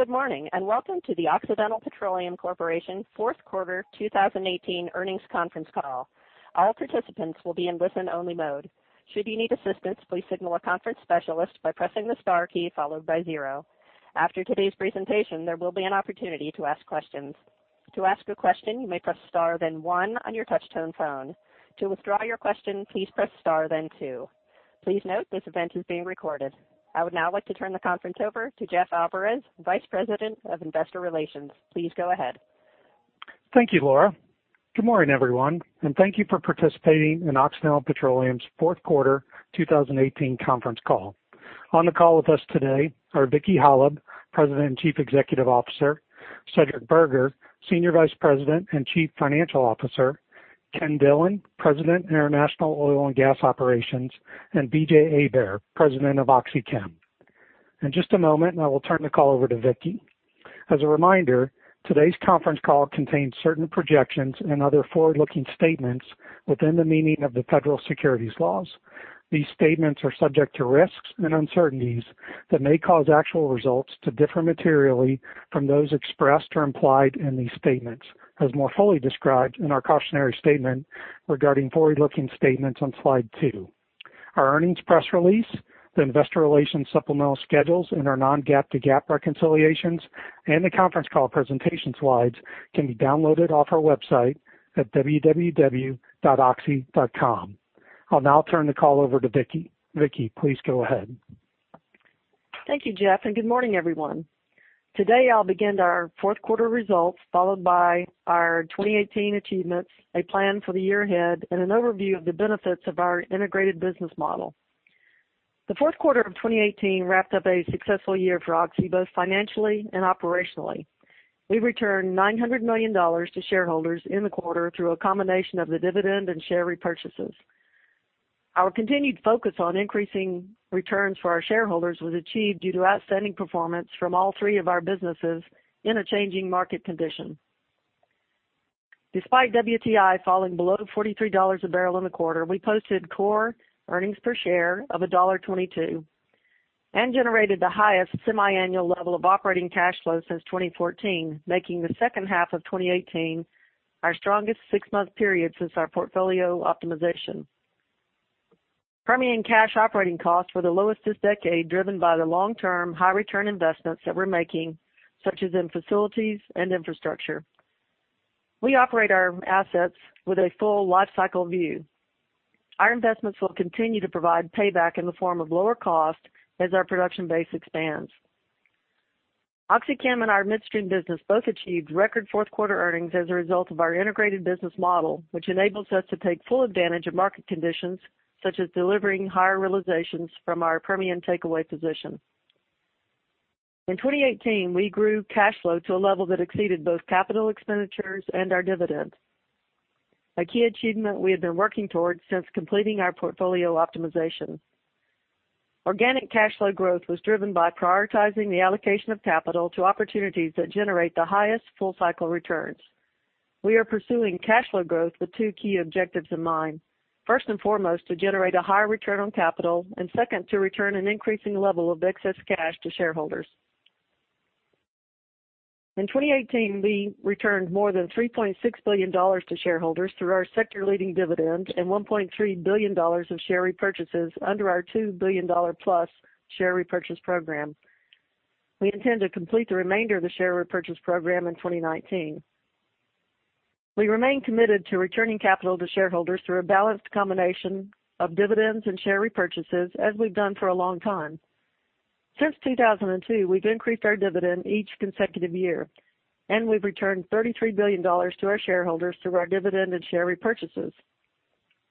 Good morning, and welcome to the Occidental Petroleum Corporation fourth quarter 2018 earnings conference call. All participants will be in listen-only mode. Should you need assistance, please signal a conference specialist by pressing the star key followed by zero. After today's presentation, there will be an opportunity to ask questions. To ask a question, you may press star then one on your touch-tone phone. To withdraw your question, please press star then two. Please note this event is being recorded. I would now like to turn the conference over to Jeff Alvarez, Vice President of Investor Relations. Please go ahead. Thank you, Laura. Good morning, everyone, and thank you for participating in Occidental Petroleum's fourth quarter 2018 conference call. On the call with us today are Vicki Hollub, President and Chief Executive Officer, Cedric Burgher, Senior Vice President and Chief Financial Officer, Ken Dillon, President, International Oil and Gas Operations, and B.J. Hebert, President of OxyChem. In just a moment, I will turn the call over to Vicki. As a reminder, today's conference call contains certain projections and other forward-looking statements within the meaning of the federal securities laws. These statements are subject to risks and uncertainties that may cause actual results to differ materially from those expressed or implied in these statements, as more fully described in our cautionary statement regarding forward-looking statements on slide two. Our earnings press release, the investor relations supplemental schedules, and our non-GAAP to GAAP reconciliations and the conference call presentation slides can be downloaded off our website at www.oxy.com. I'll now turn the call over to Vicki. Vicki, please go ahead. Thank you, Jeff, and good morning, everyone. Today I'll begin our fourth quarter results, followed by our 2018 achievements, a plan for the year ahead, and an overview of the benefits of our integrated business model. The fourth quarter of 2018 wrapped up a successful year for Oxy, both financially and operationally. We returned $900 million to shareholders in the quarter through a combination of the dividend and share repurchases. Our continued focus on increasing returns for our shareholders was achieved due to outstanding performance from all three of our businesses in a changing market condition. Despite WTI falling below $43 a barrel in the quarter, we posted core earnings per share of $1.22 and generated the highest semiannual level of operating cash flow since 2014, making the second half of 2018 our strongest six-month period since our portfolio optimization. Permian cash operating costs were the lowest this decade, driven by the long-term high return investments that we're making, such as in facilities and infrastructure. We operate our assets with a full lifecycle view. Our investments will continue to provide payback in the form of lower cost as our production base expands. OxyChem and our midstream business both achieved record fourth-quarter earnings as a result of our integrated business model, which enables us to take full advantage of market conditions, such as delivering higher realizations from our Permian takeaway position. In 2018, we grew cash flow to a level that exceeded both capital expenditures and our dividend, a key achievement we have been working towards since completing our portfolio optimization. Organic cash flow growth was driven by prioritizing the allocation of capital to opportunities that generate the highest full-cycle returns. We are pursuing cash flow growth with two key objectives in mind. First and foremost, to generate a higher return on capital, and second, to return an increasing level of excess cash to shareholders. In 2018, we returned more than $3.6 billion to shareholders through our sector-leading dividend and $1.3 billion of share repurchases under our $2 billion-plus share repurchase program. We intend to complete the remainder of the share repurchase program in 2019. We remain committed to returning capital to shareholders through a balanced combination of dividends and share repurchases, as we've done for a long time. Since 2002, we've increased our dividend each consecutive year, and we've returned $33 billion to our shareholders through our dividend and share repurchases.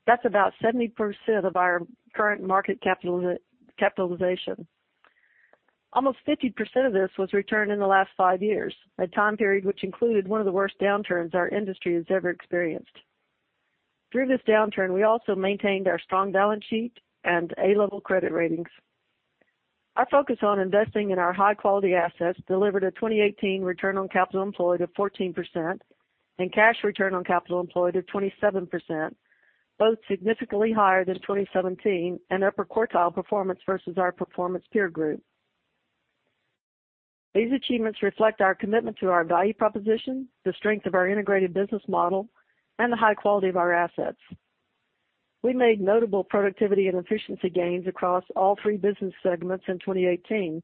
That's about 70% of our current market capitalization. Almost 50% of this was returned in the last five years, a time period which included one of the worst downturns our industry has ever experienced. Through this downturn, we also maintained our strong balance sheet and A-level credit ratings. Our focus on investing in our high-quality assets delivered a 2018 return on capital employed of 14% and cash return on capital employed of 27%, both significantly higher than 2017 and upper quartile performance versus our performance peer group. These achievements reflect our commitment to our value proposition, the strength of our integrated business model, and the high quality of our assets. We made notable productivity and efficiency gains across all three business segments in 2018.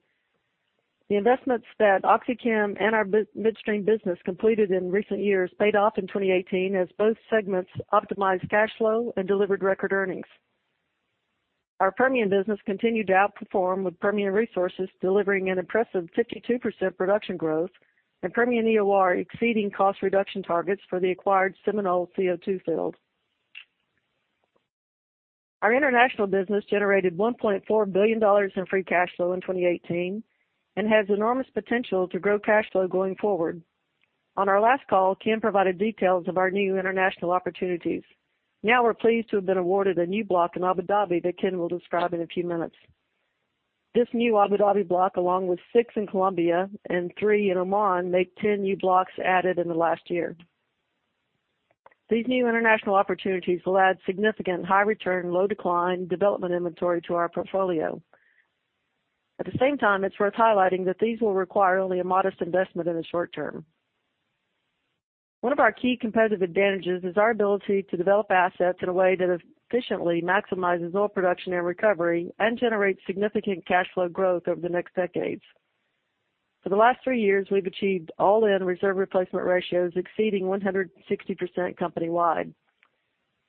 The investments that OxyChem and our midstream business completed in recent years paid off in 2018 as both segments optimized cash flow and delivered record earnings. Our Permian business continued to outperform with Permian Resources delivering an impressive 52% production growth and Permian EOR exceeding cost reduction targets for the acquired Seminole CO2 field. Our international business generated $1.4 billion in free cash flow in 2018 and has enormous potential to grow cash flow going forward. On our last call, Ken provided details of our new international opportunities. We're pleased to have been awarded a new block in Abu Dhabi that Ken will describe in a few minutes. This new Abu Dhabi block, along with six in Colombia and three in Oman, make 10 new blocks added in the last year. These new international opportunities will add significant high return, low decline development inventory to our portfolio. At the same time, it's worth highlighting that these will require only a modest investment in the short term. One of our key competitive advantages is our ability to develop assets in a way that efficiently maximizes oil production and recovery and generates significant cash flow growth over the next decades. For the last three years, we've achieved all-in reserve replacement ratios exceeding 160% company-wide.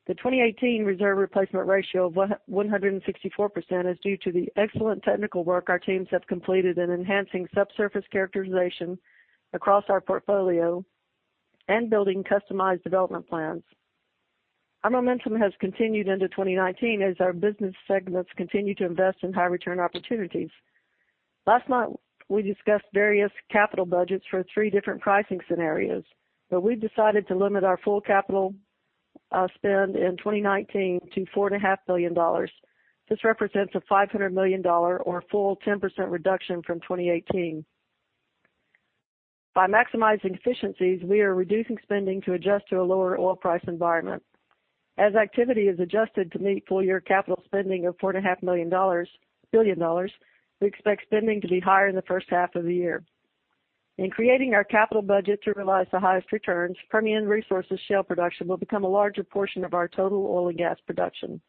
The 2018 reserve replacement ratio of 164% is due to the excellent technical work our teams have completed in enhancing subsurface characterization across our portfolio and building customized development plans. Our momentum has continued into 2019 as our business segments continue to invest in high return opportunities. Last month, we discussed various capital budgets for three different pricing scenarios. We've decided to limit our full capital spend in 2019 to $4.5 billion. This represents a $500 million or full 10% reduction from 2018. By maximizing efficiencies, we are reducing spending to adjust to a lower oil price environment. As activity is adjusted to meet full year capital spending of $4.5 billion, we expect spending to be higher in the first half of the year. In creating our capital budget to realize the highest returns, Permian Resources shale production will become a larger portion of our total oil and gas production.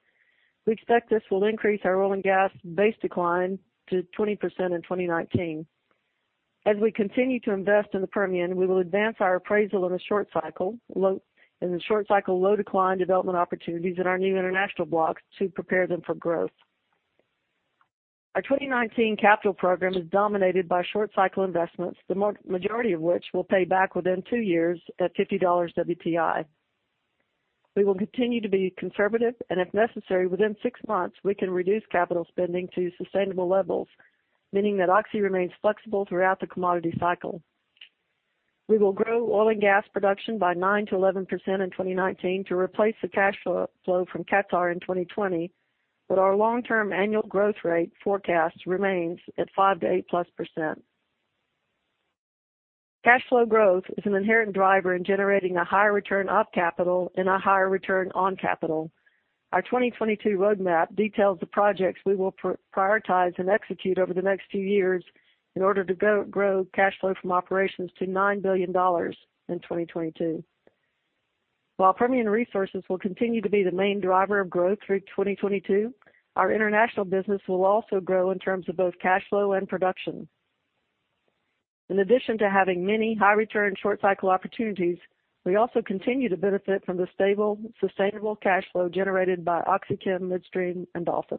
We expect this will increase our oil and gas base decline to 20% in 2019. As we continue to invest in the Permian, we will advance our appraisal in the short cycle, low decline development opportunities in our new international blocks to prepare them for growth. Our 2019 capital program is dominated by short cycle investments, the majority of which will pay back within two years at $50 WTI. We will continue to be conservative. If necessary, within six months, we can reduce capital spending to sustainable levels, meaning that Oxy remains flexible throughout the commodity cycle. We will grow oil and gas production by 9%-11% in 2019 to replace the cash flow from Qatar in 2020. Our long-term annual growth rate forecast remains at 5% to 8%+. Cash flow growth is an inherent driver in generating a higher return of capital and a higher return on capital. Our 2022 roadmap details the projects we will prioritize and execute over the next few years in order to grow cash flow from operations to $9 billion in 2022. Permian Resources will continue to be the main driver of growth through 2022. Our international business will also grow in terms of both cash flow and production. In addition to having many high return short cycle opportunities, we also continue to benefit from the stable, sustainable cash flow generated by OxyChem, Midstream, and Dolphin.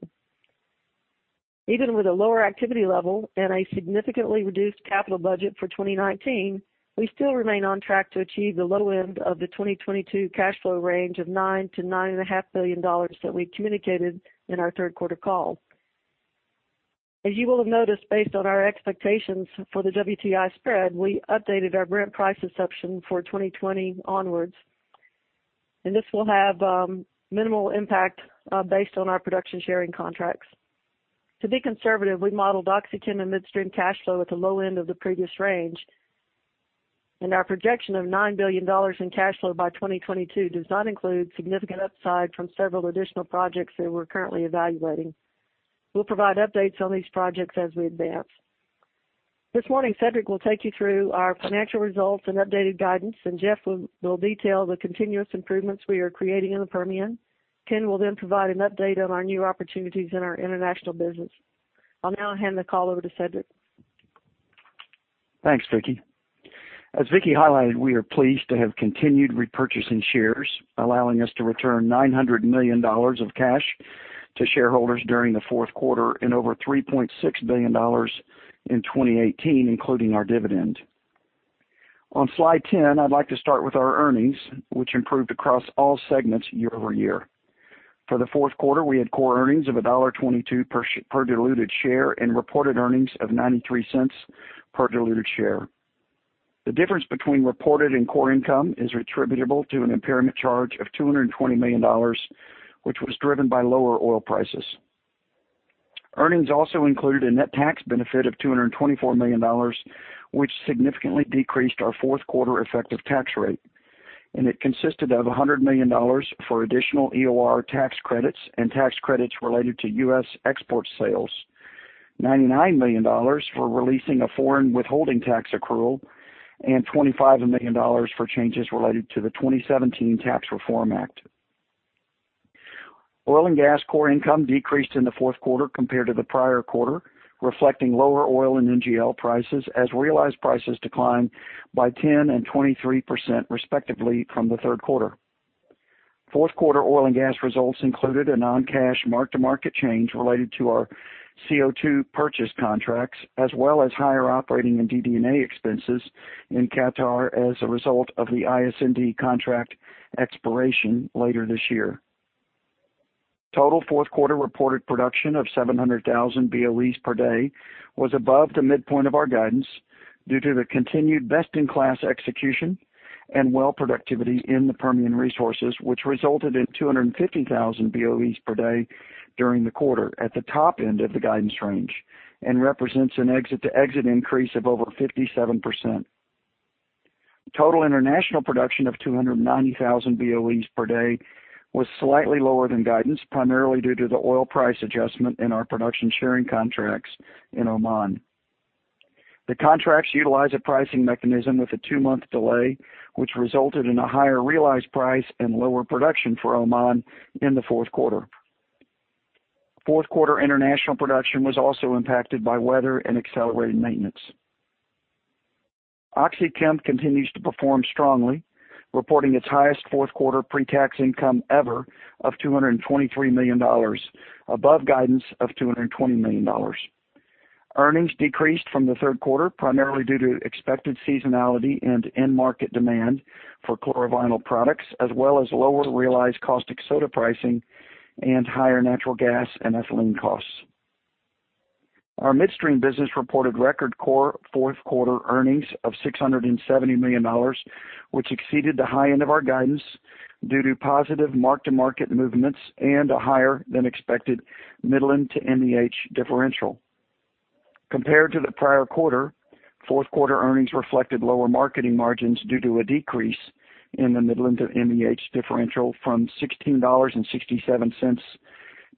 Even with a lower activity level and a significantly reduced capital budget for 2019, we still remain on track to achieve the low end of the 2022 cash flow range of $9 billion-$9.5 billion that we communicated in our third quarter call. As you will have noticed, based on our expectations for the WTI spread, we updated our Brent price assumption for 2020 onwards. This will have minimal impact based on our production sharing contracts. To be conservative, we modeled OxyChem and Midstream cash flow at the low end of the previous range. Our projection of $9 billion in cash flow by 2022 does not include significant upside from several additional projects that we're currently evaluating. We'll provide updates on these projects as we advance. This morning, Cedric will take you through our financial results and updated guidance, and Jeff will detail the continuous improvements we are creating in the Permian. Ken will then provide an update on our new opportunities in our international business. I'll now hand the call over to Cedric. Thanks, Vicki. As Vicki highlighted, we are pleased to have continued repurchasing shares, allowing us to return $900 million of cash to shareholders during the fourth quarter and over $3.6 billion in 2018, including our dividend. On slide 10, I'd like to start with our earnings, which improved across all segments year-over-year. For the fourth quarter, we had core earnings of $1.22 per diluted share and reported earnings of $0.93 per diluted share. The difference between reported and core income is attributable to an impairment charge of $220 million, which was driven by lower oil prices. Earnings also included a net tax benefit of $224 million, which significantly decreased our fourth quarter effective tax rate, and it consisted of $100 million for additional EOR tax credits and tax credits related to U.S. export sales, $99 million for releasing a foreign withholding tax accrual, and $25 million for changes related to the 2017 Tax Reform Act. Oil and gas core income decreased in the fourth quarter compared to the prior quarter, reflecting lower oil and NGL prices as realized prices declined by 10% and 23% respectively from the third quarter. Fourth quarter oil and gas results included a non-cash mark-to-market change related to our CO2 purchase contracts, as well as higher operating and DD&A expenses in Qatar as a result of the ISND contract expiration later this year. Total fourth quarter reported production of 700,000 BOEs per day was above the midpoint of our guidance due to the continued best-in-class execution and well productivity in the Permian Resources, which resulted in 250,000 BOEs per day during the quarter at the top end of the guidance range. Represents an exit-to-exit increase of over 57%. Total international production of 290,000 BOEs per day was slightly lower than guidance, primarily due to the oil price adjustment in our production sharing contracts in Oman. The contracts utilize a pricing mechanism with a two-month delay, which resulted in a higher realized price and lower production for Oman in the fourth quarter. Fourth quarter international production was also impacted by weather and accelerated maintenance. OxyChem continues to perform strongly, reporting its highest fourth quarter pre-tax income ever of $223 million, above guidance of $220 million. Earnings decreased from the third quarter, primarily due to expected seasonality and end market demand for chlorovinyl products, as well as lower realized caustic soda pricing and higher natural gas and ethylene costs. Our midstream business reported record core fourth quarter earnings of $670 million, which exceeded the high end of our guidance due to positive mark-to-market movements and a higher-than-expected Midland to MEH differential. Compared to the prior quarter, fourth quarter earnings reflected lower marketing margins due to a decrease in the Midland to MEH differential from $16.67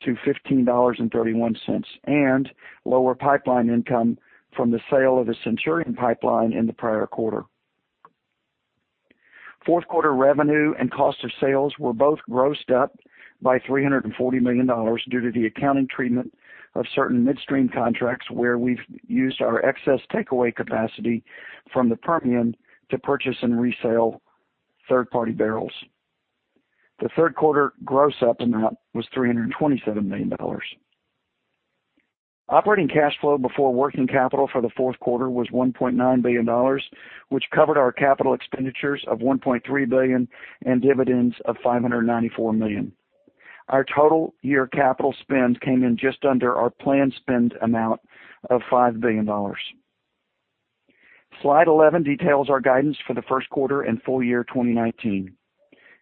to $15.31, and lower pipeline income from the sale of the Centurion pipeline in the prior quarter. Fourth quarter revenue and cost of sales were both grossed up by $340 million due to the accounting treatment of certain midstream contracts, where we've used our excess takeaway capacity from the Permian to purchase and resell third-party barrels. The third quarter gross up amount was $327 million. Operating cash flow before working capital for the fourth quarter was $1.9 billion, which covered our capital expenditures of $1.3 billion and dividends of $594 million. Our total year capital spend came in just under our planned spend amount of $5 billion. Slide 11 details our guidance for the first quarter and full year 2019.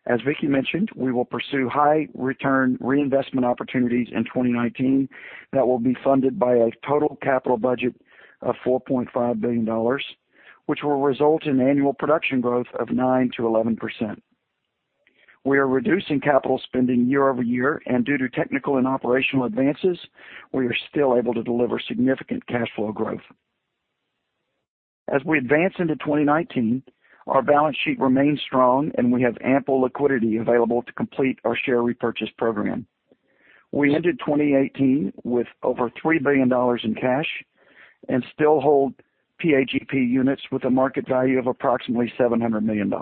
As Vicki mentioned, we will pursue high return reinvestment opportunities in 2019 that will be funded by a total capital budget of $4.5 billion, which will result in annual production growth of 9%-11%. We are reducing capital spending year-over-year, and due to technical and operational advances, we are still able to deliver significant cash flow growth. As we advance into 2019, our balance sheet remains strong, and we have ample liquidity available to complete our share repurchase program. We ended 2018 with over $3 billion in cash and still hold PHGP units with a market value of approximately $700 million.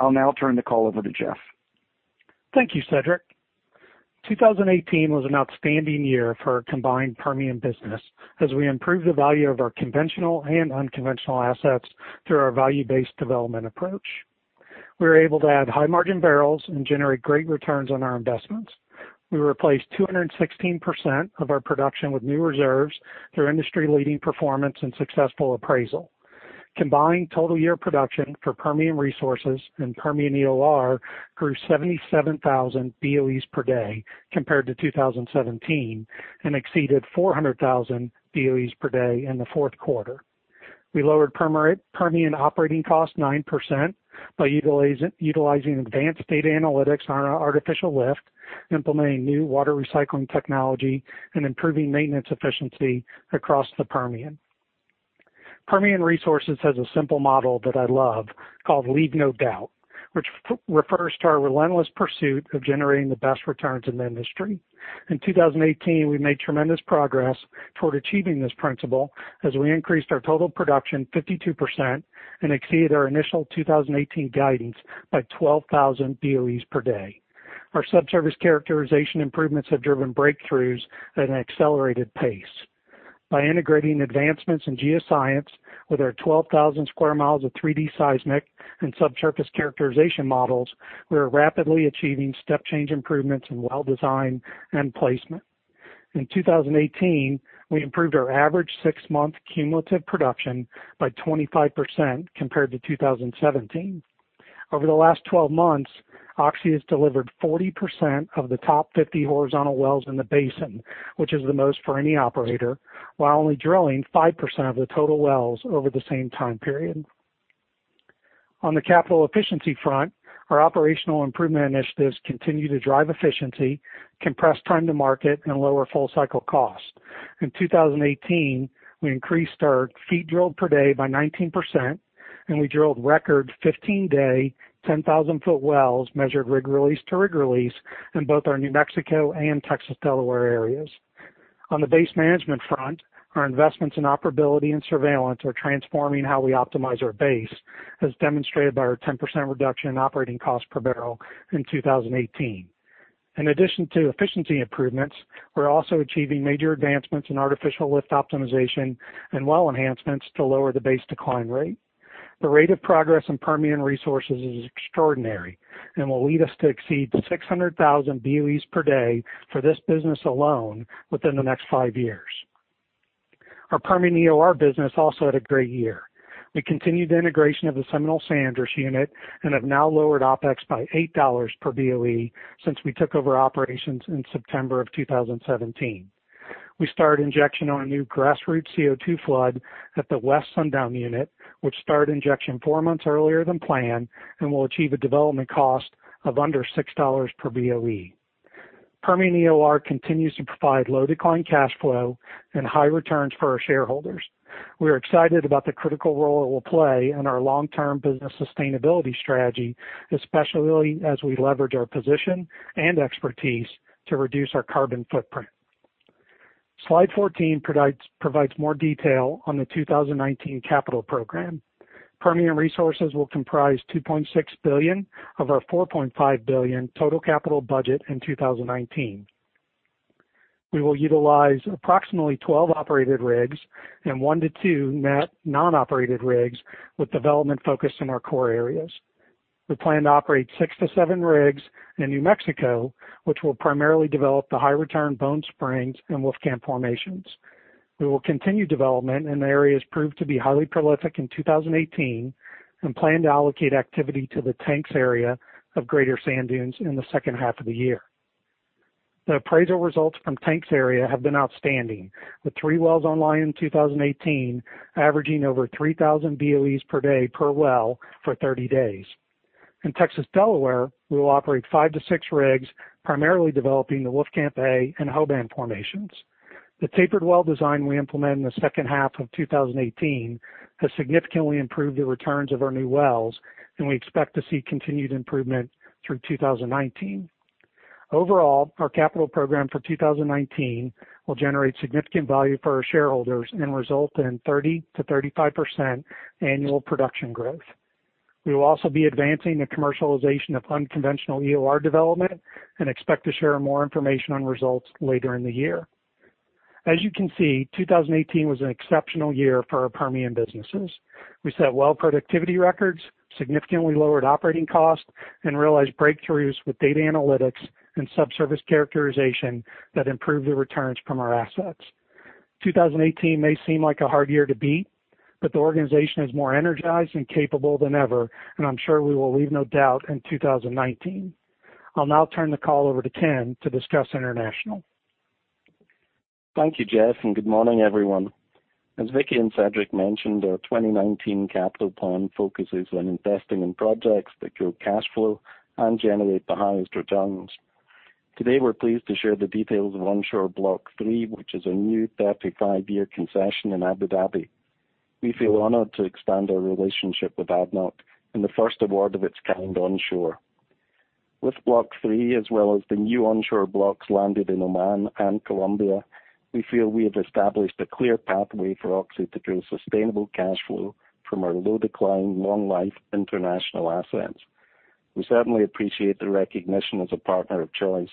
I'll now turn the call over to Jeff. Thank you, Cedric. 2018 was an outstanding year for our combined Permian business as we improved the value of our conventional and unconventional assets through our value-based development approach. We were able to add high margin barrels and generate great returns on our investments. We replaced 216% of our production with new reserves through industry-leading performance and successful appraisal. Combined total year production for Permian Resources and Permian EOR grew 77,000 BOE per day compared to 2017 and exceeded 400,000 BOE per day in the fourth quarter. We lowered Permian operating costs 9% by utilizing advanced data analytics on our artificial lift, implementing new water recycling technology, and improving maintenance efficiency across the Permian. Permian Resources has a simple model that I love called Leave No Doubt, which refers to our relentless pursuit of generating the best returns in the industry. In 2018, we made tremendous progress toward achieving this principle as we increased our total production 52% and exceeded our initial 2018 guidance by 12,000 BOEs per day. Our subsurface characterization improvements have driven breakthroughs at an accelerated pace. By integrating advancements in geoscience with our 12,000 square miles of 3D seismic and subsurface characterization models, we are rapidly achieving step change improvements in well design and placement. In 2018, we improved our average six-month cumulative production by 25% compared to 2017. Over the last 12 months, Oxy has delivered 40% of the top 50 horizontal wells in the basin, which is the most for any operator, while only drilling 5% of the total wells over the same time period. On the capital efficiency front, our operational improvement initiatives continue to drive efficiency, compress time to market, and lower full-cycle costs. In 2018, we increased our feet drilled per day by 19%. We drilled record 15-day, 10,000-ft wells measured rig release to rig release in both our New Mexico and Texas Delaware areas. On the base management front, our investments in operability and surveillance are transforming how we optimize our base, as demonstrated by our 10% reduction in operating cost per barrel in 2018. In addition to efficiency improvements, we are also achieving major advancements in artificial lift optimization and well enhancements to lower the base decline rate. The rate of progress in Permian Resources is extraordinary and will lead us to exceed 600,000 BOEs per day for this business alone within the next five years. Our Permian EOR business also had a great year. We continued the integration of the Seminole San Andres unit and have now lowered OpEx by $8 per BOE since we took over operations in September of 2017. We started injection on a new grassroots CO2 flood at the West Sundown unit, which started injection four months earlier than planned and will achieve a development cost of under $6 per BOE. Permian EOR continues to provide low decline cash flow and high returns for our shareholders. We are excited about the critical role it will play in our long-term business sustainability strategy, especially as we leverage our position and expertise to reduce our carbon footprint. Slide 14 provides more detail on the 2019 capital program. Permian Resources will comprise $2.6 billion of our $4.5 billion total capital budget in 2019. We will utilize approximately 12 operated rigs and one to two net non-operated rigs with development focused on our core areas. We plan to operate six to seven rigs in New Mexico, which will primarily develop the high-return Bone Spring and Wolfcamp formations. We will continue development in areas proved to be highly prolific in 2018 and plan to allocate activity to the Tanks Area of Greater Sand Dunes in the second half of the year. The appraisal results from Tanks Area have been outstanding, with three wells online in 2018 averaging over 3,000 BOEs per day per well for 30 days. In Texas Delaware, we will operate five to six rigs, primarily developing the Wolfcamp A and Harkey formations. The tapered well design we implemented in the second half of 2018 has significantly improved the returns of our new wells, and we expect to see continued improvement through 2019. Overall, our capital program for 2019 will generate significant value for our shareholders and result in 30%-35% annual production growth. We will also be advancing the commercialization of unconventional EOR development and expect to share more information on results later in the year. As you can see, 2018 was an exceptional year for our Permian businesses. We set well productivity records, significantly lowered operating costs, and realized breakthroughs with data analytics and subsurface characterization that improved the returns from our assets. 2018 may seem like a hard year to beat, but the organization is more energized and capable than ever, and I am sure we will Leave No Doubt in 2019. I will now turn the call over to Ken to discuss international. Thank you, Jeff, and good morning, everyone. As Vicki and Cedric mentioned, our 2019 capital plan focuses on investing in projects that grow cash flow and generate the highest returns. Today, we are pleased to share the details of Onshore Block 3, which is a new 35-year concession in Abu Dhabi. We feel honored to expand our relationship with ADNOC in the first award of its kind onshore. With Block 3, as well as the new onshore blocks landed in Oman and Colombia, we feel we have established a clear pathway for Oxy to grow sustainable cash flow from our low-decline, long-life international assets. We certainly appreciate the recognition as a partner of choice.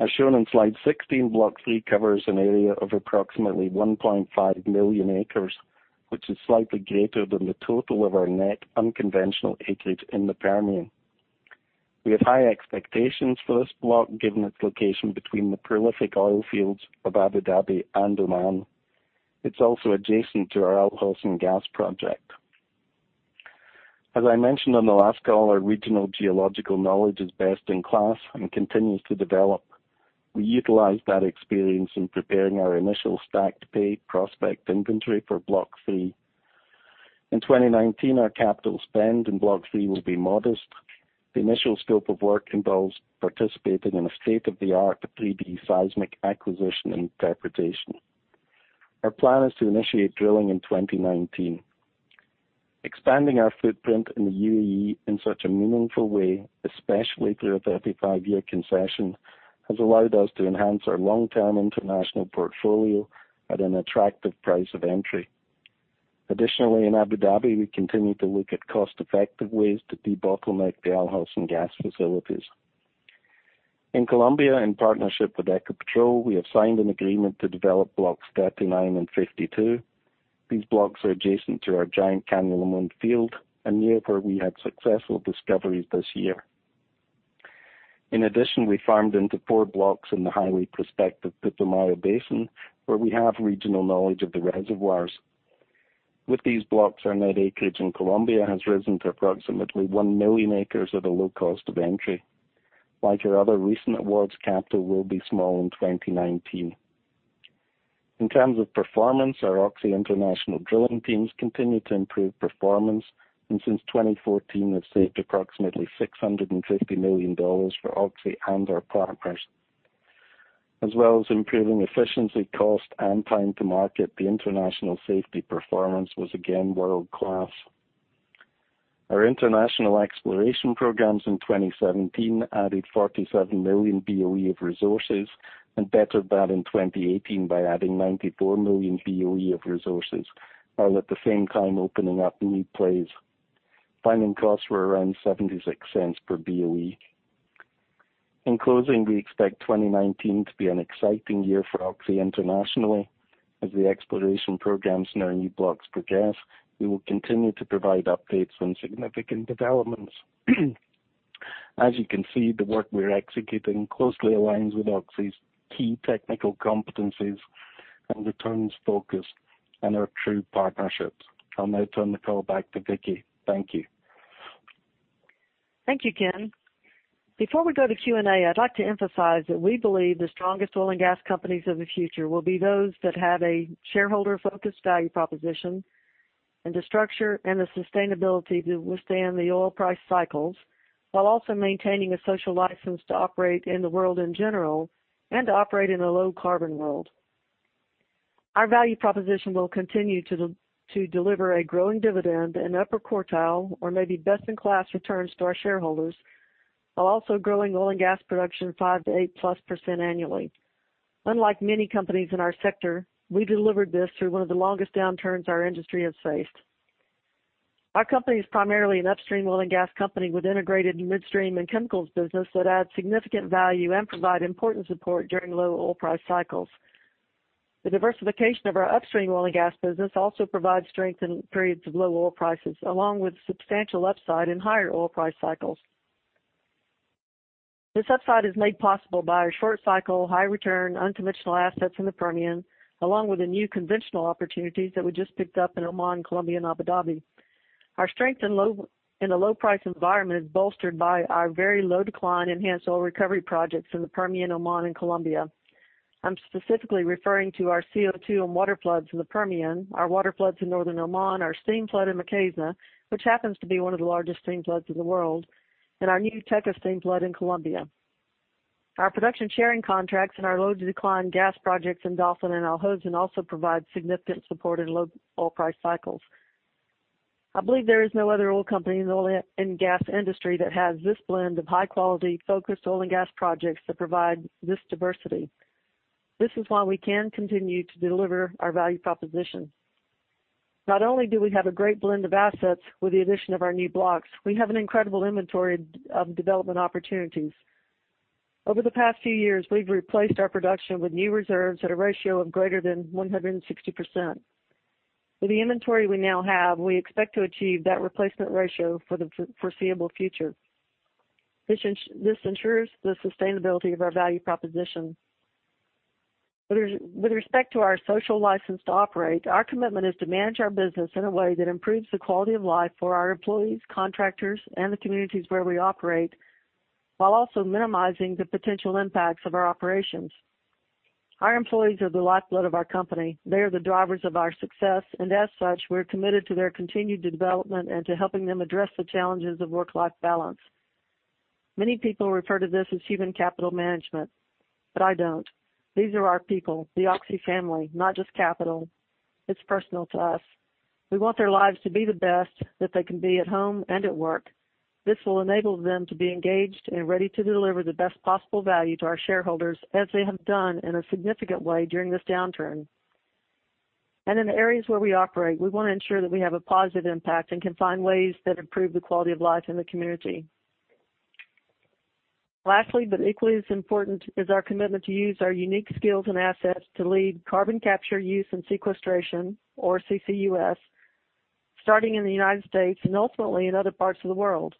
As shown on slide 16, Block 3 covers an area of approximately 1.5 million acres, which is slightly greater than the total of our net unconventional acreage in the Permian. We have high expectations for this block, given its location between the prolific oil fields of Abu Dhabi and Oman. It is also adjacent to our Al Hosn Gas project. As I mentioned on the last call, our regional geological knowledge is best in class and continues to develop. We utilized that experience in preparing our initial stacked pay prospect inventory for Block 3. In 2019, our capital spend in Block 3 will be modest. The initial scope of work involves participating in a state-of-the-art 3D seismic acquisition interpretation. Our plan is to initiate drilling in 2019. Expanding our footprint in the UAE in such a meaningful way, especially through a 35-year concession, has allowed us to enhance our long-term international portfolio at an attractive price of entry. Additionally, in Abu Dhabi, we continue to look at cost-effective ways to debottleneck the Al Hosn Gas facilities. In Colombia, in partnership with Ecopetrol, we have signed an agreement to develop Blocks 39 and 52. These blocks are adjacent to our giant Caño Limón field and near where we had successful discoveries this year. In addition, we farmed into four blocks in the highly prospective Putumayo Basin, where we have regional knowledge of the reservoirs. With these blocks, our net acreage in Colombia has risen to approximately one million acres at a low cost of entry. Like our other recent awards, capital will be small in 2019. In terms of performance, our Oxy International drilling teams continue to improve performance, and since 2014 have saved approximately $650 million for Oxy and our partners. As well as improving efficiency, cost, and time to market, the international safety performance was again world-class. Our international exploration programs in 2017 added 47 million BOE of resources and bettered that in 2018 by adding 94 million BOE of resources, while at the same time opening up new plays. Finding costs were around $0.76 per BOE. In closing, we expect 2019 to be an exciting year for Oxy internationally. As the exploration programs in our new blocks progress, we will continue to provide updates on significant developments. As you can see, the work we're executing closely aligns with Oxy's key technical competencies and returns focus and our true partnerships. I'll now turn the call back to Vicki. Thank you. Thank you, Ken. Before we go to Q&A, I'd like to emphasize that we believe the strongest oil and gas companies of the future will be those that have a shareholder-focused value proposition, and the structure and the sustainability to withstand the oil price cycles, while also maintaining a social license to operate in the world in general and operate in a low carbon world. Our value proposition will continue to deliver a growing dividend and upper quartile or maybe best in class returns to our shareholders, while also growing oil and gas production 5% to 8%+ annually. Unlike many companies in our sector, we delivered this through one of the longest downturns our industry has faced. Our company is primarily an upstream oil and gas company with integrated midstream and chemicals business that add significant value and provide important support during low oil price cycles. The diversification of our upstream oil and gas business also provides strength in periods of low oil prices, along with substantial upside in higher oil price cycles. This upside is made possible by our short cycle, high return, unconventional assets in the Permian, along with the new conventional opportunities that we just picked up in Oman, Colombia, and Abu Dhabi. Our strength in the low price environment is bolstered by our very low decline enhanced oil recovery projects in the Permian, Oman and Colombia. I'm specifically referring to our CO2 and water floods in the Permian, our water floods in northern Oman, our steam flood in Mukhaizna, which happens to be one of the largest steam floods in the world, and our new Teca steam flood in Colombia. Our production sharing contracts and our low decline gas projects in Dolphin and Al Hosn also provide significant support in low oil price cycles. I believe there is no other oil company in the oil and gas industry that has this blend of high quality focused oil and gas projects that provide this diversity. This is why we can continue to deliver our value proposition. Not only do we have a great blend of assets with the addition of our new blocks, we have an incredible inventory of development opportunities. Over the past few years, we've replaced our production with new reserves at a ratio of greater than 160%. With the inventory we now have, we expect to achieve that replacement ratio for the foreseeable future. This ensures the sustainability of our value proposition. With respect to our social license to operate, our commitment is to manage our business in a way that improves the quality of life for our employees, contractors, and the communities where we operate, while also minimizing the potential impacts of our operations. Our employees are the lifeblood of our company. They are the drivers of our success, and as such, we're committed to their continued development and to helping them address the challenges of work-life balance. Many people refer to this as human capital management, but I don't. These are our people, the Oxy family, not just capital. It's personal to us. We want their lives to be the best that they can be at home and at work. This will enable them to be engaged and ready to deliver the best possible value to our shareholders as they have done in a significant way during this downturn. In the areas where we operate, we want to ensure that we have a positive impact and can find ways that improve the quality of life in the community. Lastly, but equally as important, is our commitment to use our unique skills and assets to lead carbon capture use and sequestration, or CCUS, starting in the U.S. and ultimately in other parts of the world.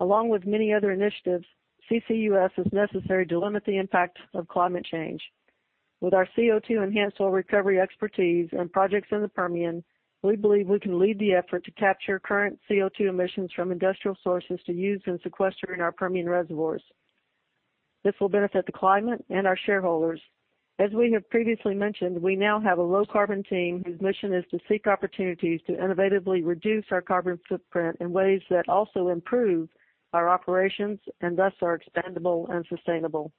Along with many other initiatives, CCUS is necessary to limit the impact of climate change. With our CO2 enhanced oil recovery expertise and projects in the Permian, we believe we can lead the effort to capture current CO2 emissions from industrial sources to use in sequestering our Permian reservoirs. This will benefit the climate and our shareholders. As we have previously mentioned, we now have a low carbon team whose mission is to seek opportunities to innovatively reduce our carbon footprint in ways that also improve our operations and thus are expandable and sustainable.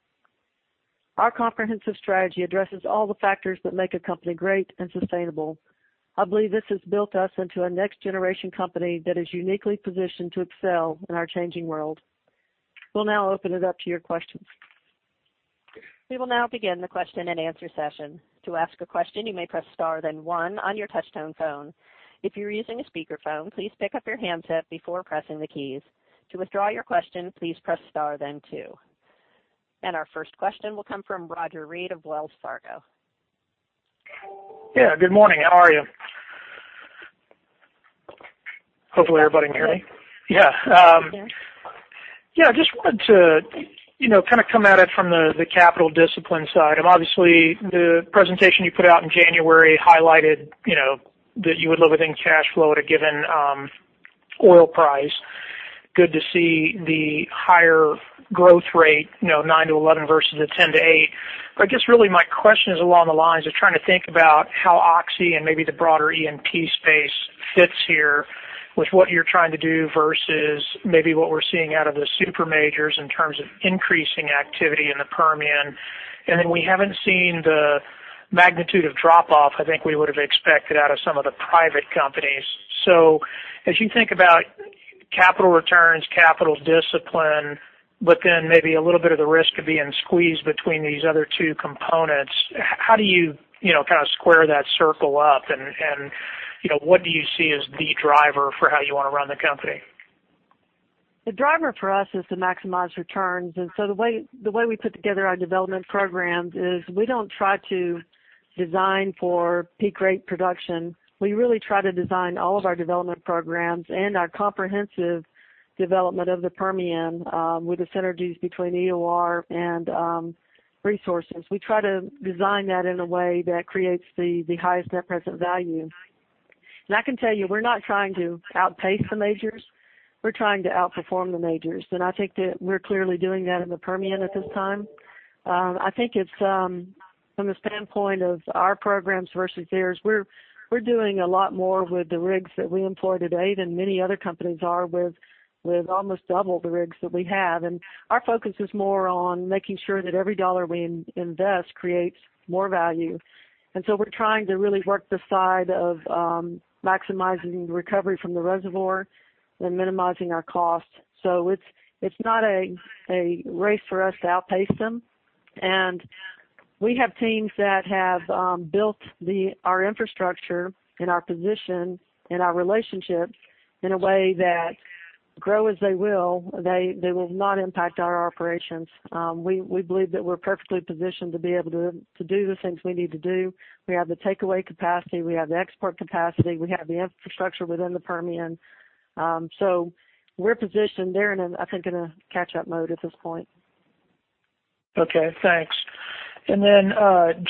Our comprehensive strategy addresses all the factors that make a company great and sustainable. I believe this has built us into a next generation company that is uniquely positioned to excel in our changing world. We'll now open it up to your questions. We will now begin the question-and-answer session. To ask a question, you may press star then one on your touch-tone phone. If you are using a speakerphone, please pick up your handset before pressing the keys. To withdraw your question, please press star then two. Our first question will come from Roger Read of Wells Fargo. Yeah. Good morning. How are you? Hopefully everybody can hear me. Yeah. We can. Yeah, just wanted to kind of come at it from the capital discipline side, obviously the presentation you put out in January highlighted that you would live within cash flow at a given oil price. Good to see the higher growth rate, 9%-11% versus a 10%-8%. I guess really my question is along the lines of trying to think about how Oxy and maybe the broader E&P space fits here with what you're trying to do versus maybe what we're seeing out of the super majors in terms of increasing activity in the Permian. We haven't seen the magnitude of drop-off I think we would have expected out of some of the private companies. As you think about capital returns, capital discipline, but then maybe a little bit of the risk of being squeezed between these other two components, how do you kind of square that circle up? What do you see as the driver for how you want to run the company? The driver for us is to maximize returns. The way we put together our development programs is we don't try to design for peak rate production. We really try to design all of our development programs and our comprehensive development of the Permian, with the synergies between EOR and resources. We try to design that in a way that creates the highest net present value. I can tell you, we're not trying to outpace the majors. We're trying to outperform the majors. I think that we're clearly doing that in the Permian at this time. I think from the standpoint of our programs versus theirs, we're doing a lot more with the rigs that we employ today than many other companies are with almost double the rigs that we have. Our focus is more on making sure that every dollar we invest creates more value. We're trying to really work the side of maximizing recovery from the reservoir and minimizing our costs. It's not a race for us to outpace them. We have teams that have built our infrastructure and our position and our relationships in a way that grow as they will. They will not impact our operations. We believe that we're perfectly positioned to be able to do the things we need to do. We have the takeaway capacity, we have the export capacity, we have the infrastructure within the Permian. We're positioned. They're in, I think, in a catch-up mode at this point. Okay, thanks. Then,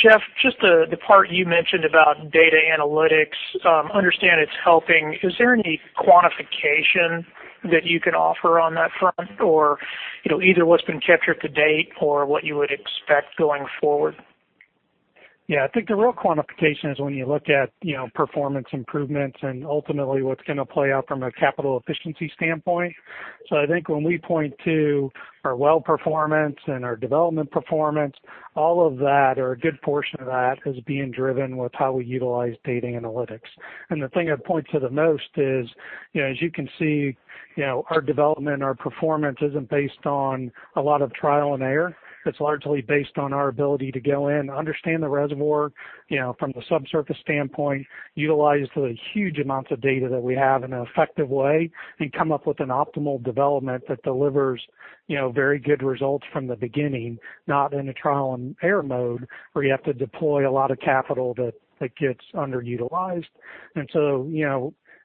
Jeff, just the part you mentioned about data analytics, understand it's helping. Is there any quantification that you can offer on that front? Either what's been captured to date or what you would expect going forward? Yeah, I think the real quantification is when you look at performance improvements and ultimately what's going to play out from a capital efficiency standpoint. I think when we point to our well performance and our development performance, all of that or a good portion of that is being driven with how we utilize data analytics. The thing I'd point to the most is, as you can see, our development, our performance isn't based on a lot of trial and error. It's largely based on our ability to go in, understand the reservoir from the subsurface standpoint, utilize the huge amounts of data that we have in an effective way, and come up with an optimal development that delivers very good results from the beginning, not in a trial-and-error mode, where you have to deploy a lot of capital that gets underutilized.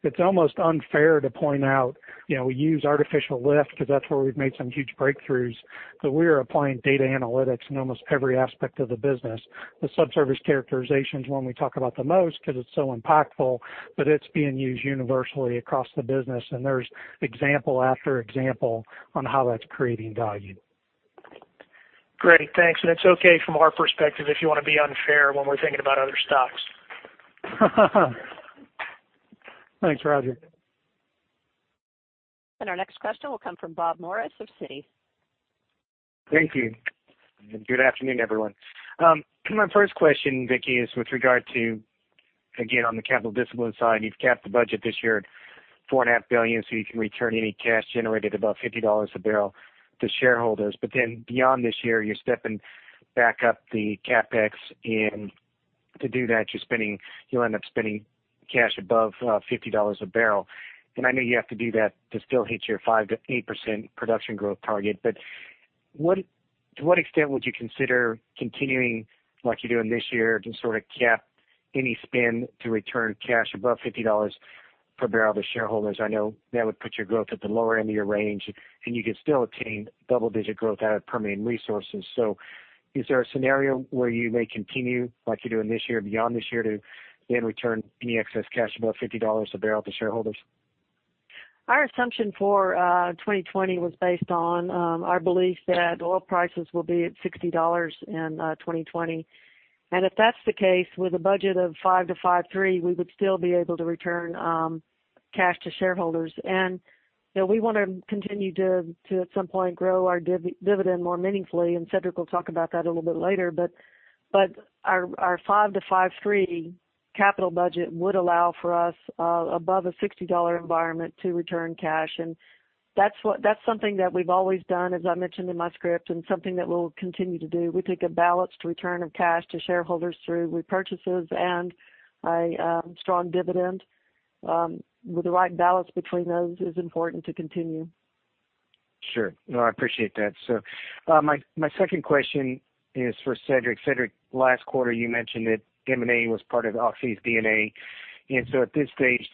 It's almost unfair to point out we use artificial lift because that's where we've made some huge breakthroughs, but we are applying data analytics in almost every aspect of the business. The subsurface characterization is one we talk about the most because it's so impactful, but it's being used universally across the business, and there's example after example on how that's creating value. Great, thanks. It's okay from our perspective, if you want to be unfair when we're thinking about other stocks. Thanks, Roger. Our next question will come from Bob Morris of Citi. Thank you. Good afternoon, everyone. My first question, Vicki, is with regard to, again, on the capital discipline side, you've capped the budget this year at $4.5 billion, so you can return any cash generated above $50 a barrel to shareholders. Beyond this year, you're stepping back up the CapEx. To do that, you'll end up spending cash above $50 a barrel. I know you have to do that to still hit your 5%-8% production growth target. To what extent would you consider continuing like you're doing this year to sort of cap any spend to return cash above $50 per barrel to shareholders? I know that would put your growth at the lower end of your range, and you could still obtain double-digit growth out of Permian Resources. Is there a scenario where you may continue like you're doing this year, beyond this year to then return any excess cash above $50 a barrel to shareholders? Our assumption for 2020 was based on our belief that oil prices will be at $60 in 2020. If that's the case, with a budget of $5 billion-$5.3 billion, we would still be able to return cash to shareholders. We want to continue to, at some point, grow our dividend more meaningfully, and Cedric will talk about that a little bit later. Our $5 billion-$5.3 billion capital budget would allow for us above a $60 environment to return cash. That's something that we've always done, as I mentioned in my script, and something that we'll continue to do. We take a balanced return of cash to shareholders through repurchases and a strong dividend. With the right balance between those is important to continue. Sure. No, I appreciate that, sir. My second question is for Cedric. Cedric, last quarter you mentioned that M&A was part of Oxy's DNA. At this stage,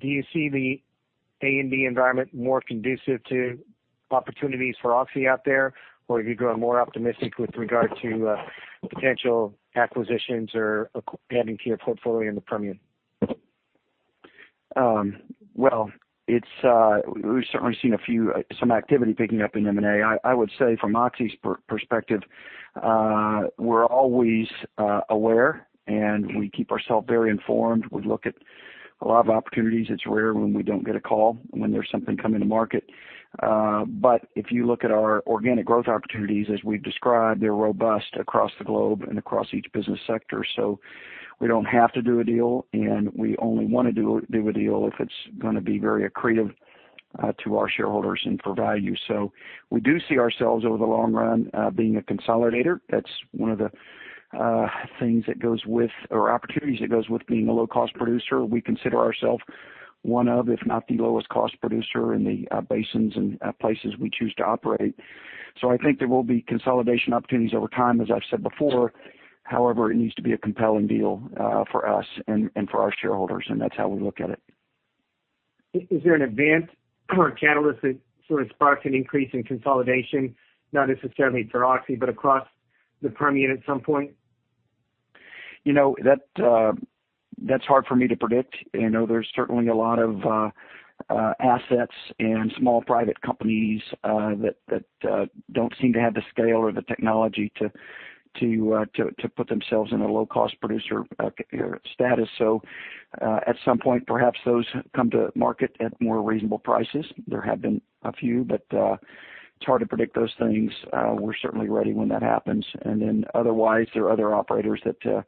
do you see the A&D environment more conducive to opportunities for Oxy out there? Or are you growing more optimistic with regard to potential acquisitions or adding to your portfolio in the Permian? Well, we've certainly seen some activity picking up in M&A. I would say from Oxy's perspective, we're always aware, and we keep ourself very informed. We look at a lot of opportunities. It's rare when we don't get a call when there's something coming to market. If you look at our organic growth opportunities as we've described, they're robust across the globe and across each business sector. We don't have to do a deal, and we only want to do a deal if it's going to be very accretive to our shareholders and provide value. We do see ourselves over the long run being a consolidator. That's one of the things that goes with or opportunities that goes with being a low-cost producer. We consider ourself one of, if not the lowest cost producer in the basins and places we choose to operate. I think there will be consolidation opportunities over time, as I've said before. However, it needs to be a compelling deal for us and for our shareholders, and that's how we look at it. Is there an event or a catalyst that sort of sparks an increase in consolidation? Not necessarily for Oxy, but across the Permian at some point? That's hard for me to predict. There's certainly a lot of assets and small private companies that don't seem to have the scale or the technology to put themselves in a low-cost producer status. At some point, perhaps those come to market at more reasonable prices. There have been a few, but it's hard to predict those things. We're certainly ready when that happens. Otherwise, there are other operators that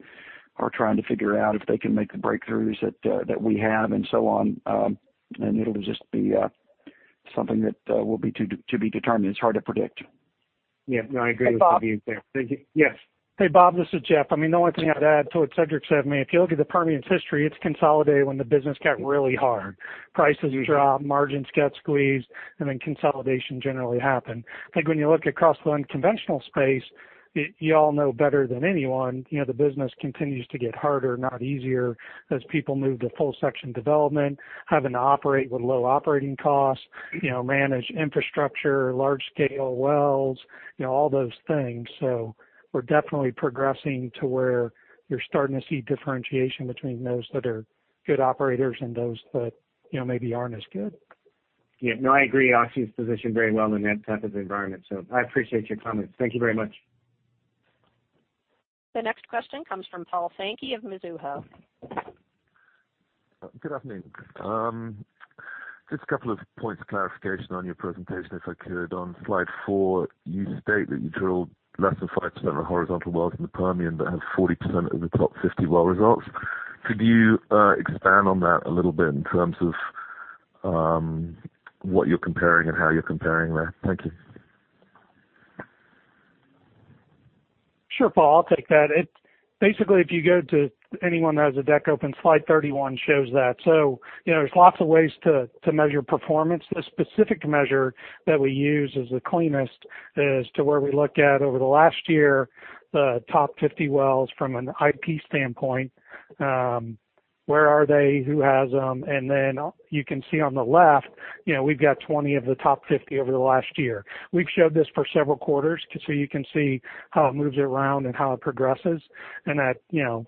are trying to figure out if they can make the breakthroughs that we have and so on. It'll just be something that will be to be determined. It's hard to predict. Yeah. No, I agree with you there. Thank you. Hey, Bob. Yes. Hey, Bob, this is Jeff. The only thing I'd add to what Cedric said, if you look at the Permian's history, it's consolidated when the business got really hard. Prices drop, margins get squeezed, consolidation generally happen. I think when you look across the unconventional space, you all know better than anyone, the business continues to get harder, not easier, as people move to full section development, having to operate with low operating costs, manage infrastructure, large scale wells, all those things. We're definitely progressing to where you're starting to see differentiation between those that are good operators and those that maybe aren't as good. Yeah. No, I agree. Oxy's positioned very well in that type of environment, so I appreciate your comments. Thank you very much. The next question comes from Paul Sankey of Mizuho. Good afternoon. Just a couple of points of clarification on your presentation, if I could. On slide four, you state that you drilled less than 5% of horizontal wells in the Permian, but have 40% of the top 50 well results. Could you expand on that a little bit in terms of what you're comparing and how you're comparing there? Thank you. Sure, Paul, I'll take that. Basically, if you go to anyone that has a deck open, slide 31 shows that. There's lots of ways to measure performance. The specific measure that we use is the cleanest, as to where we look at over the last year, the top 50 wells from an IP standpoint. Where are they? Who has them? You can see on the left, we've got 20 of the top 50 over the last year. We've showed this for several quarters, so you can see how it moves around and how it progresses, and that 40%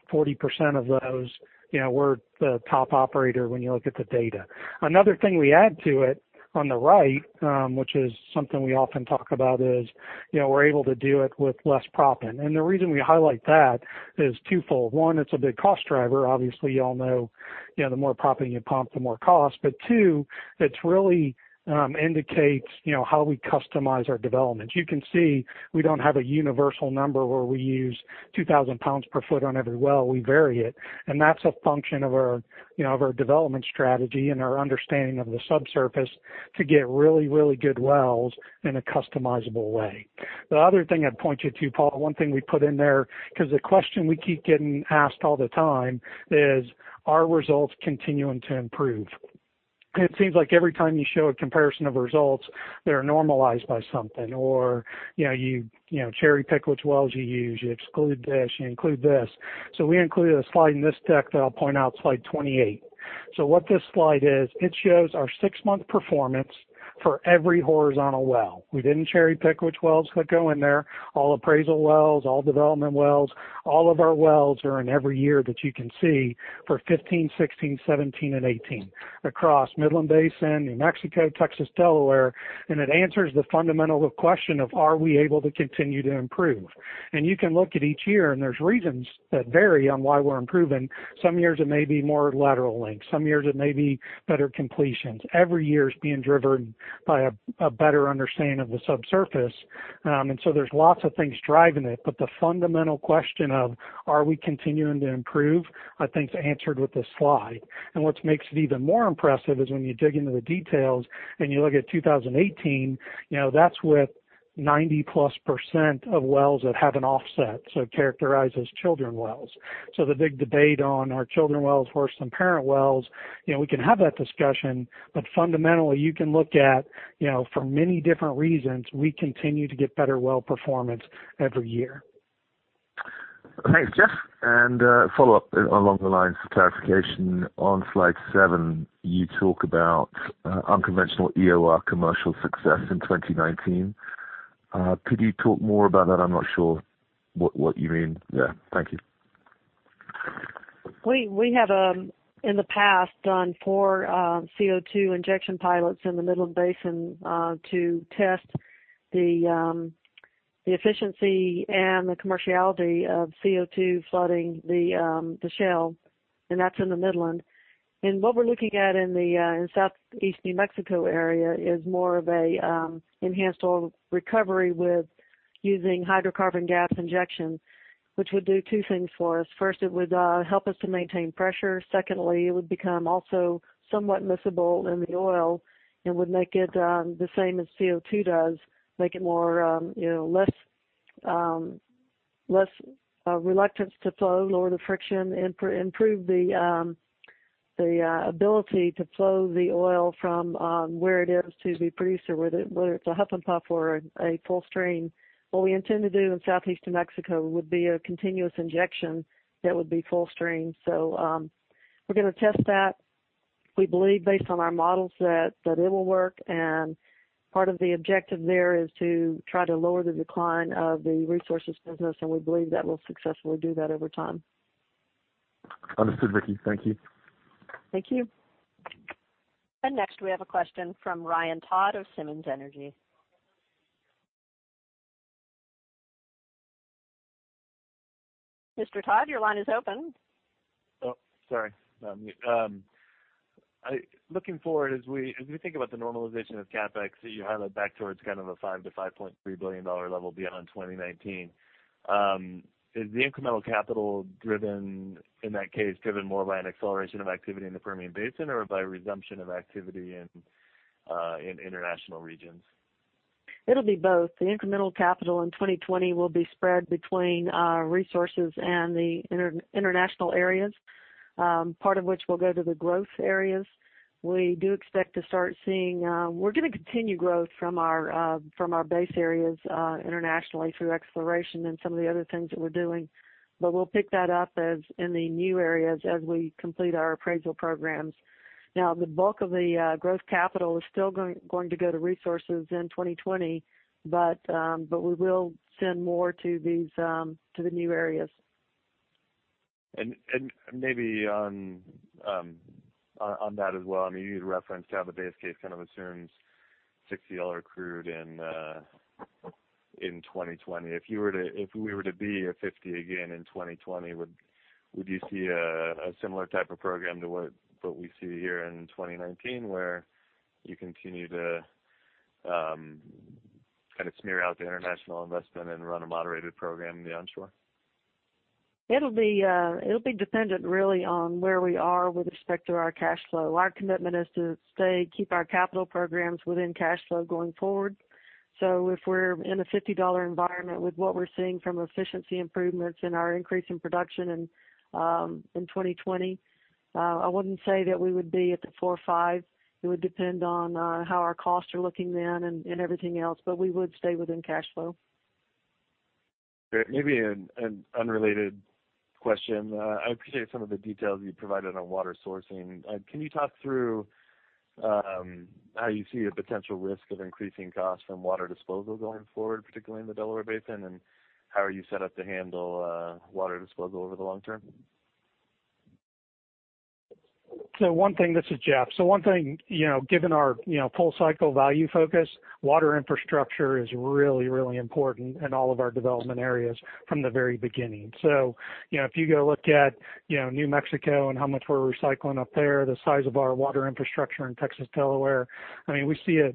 of those were the top operator when you look at the data. Another thing we add to it on the right, which is something we often talk about, is we're able to do it with less proppant. The reason we highlight that is twofold. One, it's a big cost driver. Obviously, you all know, the more proppant you pump, the more cost. Two, it really indicates how we customize our development. You can see we don't have a universal number where we use 2,000 lbs per foot on every well, we vary it. That's a function of our development strategy and our understanding of the subsurface to get really, really good wells in a customizable way. The other thing I'd point you to, Paul, one thing we put in there, because the question we keep getting asked all the time is, are results continuing to improve? It seems like every time you show a comparison of results, they're normalized by something or you cherry-pick which wells you use. You exclude this, you include this. We included a slide in this deck that I'll point out, slide 28. What this slide is, it shows our six-month performance for every horizontal well. We didn't cherry-pick which wells could go in there. All appraisal wells, all development wells, all of our wells are in every year that you can see for 2015, 2016, 2017, and 2018 across Midland Basin, New Mexico, Texas, Delaware. It answers the fundamental question of are we able to continue to improve? You can look at each year, and there's reasons that vary on why we're improving. Some years it may be more lateral links. Some years it may be better completions. Every year is being driven by a better understanding of the subsurface. There's lots of things driving it. The fundamental question of are we continuing to improve? I think is answered with this slide. What makes it even more impressive is when you dig into the details and you look at 2018, that's with 90%+ of wells that have an offset, so characterized as children wells. The big debate on are children wells worse than parent wells? We can have that discussion, fundamentally, you can look at for many different reasons, we continue to get better well performance every year. Thanks, Jeff. A follow-up along the lines of clarification. On slide seven, you talk about unconventional EOR commercial success in 2019. Could you talk more about that? I'm not sure what you mean there. Thank you. We have, in the past, done four CO2 injection pilots in the Midland Basin, to test the efficiency and the commerciality of CO2 flooding the shale, and that's in the Midland. What we're looking at in the Southeast New Mexico area is more of a enhanced oil recovery with using hydrocarbon gas injection, which would do two things for us. First, it would help us to maintain pressure. Secondly, it would become also somewhat miscible in the oil and would make it the same as CO2 does, make it less reluctance to flow, lower the friction, improve the ability to flow the oil from where it is to the producer, whether it's a huff and puff or a full stream. What we intend to do in Southeastern New Mexico would be a continuous injection that would be full stream. We're going to test that. We believe based on our models that it will work. Part of the objective there is to try to lower the decline of the resources business, and we believe that we'll successfully do that over time. Understood, Vicki. Thank you. Thank you. Next we have a question from Ryan Todd of Simmons Energy. Mr. Todd, your line is open. Oh, sorry about mute. Looking forward, as we think about the normalization of CapEx that you highlight back towards kind of a $5 billion-$5.3 billion level beyond 2019. Is the incremental capital, in that case, driven more by an acceleration of activity in the Permian Basin or by resumption of activity in international regions? It'll be both. The incremental capital in 2020 will be spread between resources and the international areas, part of which will go to the growth areas. We're going to continue growth from our base areas internationally through exploration and some of the other things that we're doing. We'll pick that up in the new areas as we complete our appraisal programs. Now, the bulk of the growth capital is still going to go to resources in 2020, we will send more to the new areas. Maybe on that as well, you referenced how the base case kind of assumes $60 crude in 2020. If we were to be at $50 again in 2020, would you see a similar type of program to what we see here in 2019, where you continue to kind of smear out the international investment and run a moderated program in the onshore? It'll be dependent really on where we are with respect to our cash flow. Our commitment is to keep our capital programs within cash flow going forward. If we're in a $50 environment with what we're seeing from efficiency improvements and our increase in production in 2020, I wouldn't say that we would be at the four or five. It would depend on how our costs are looking then and everything else, but we would stay within cash flow. Great. Maybe an unrelated question. I appreciate some of the details you provided on water sourcing. Can you talk through how you see a potential risk of increasing costs from water disposal going forward, particularly in the Delaware Basin, and how are you set up to handle water disposal over the long term? One thing, this is Jeff. One thing, given our full cycle value focus, water infrastructure is really, really important in all of our development areas from the very beginning. If you go look at New Mexico and how much we're recycling up there, the size of our water infrastructure in Texas, Delaware, we see it,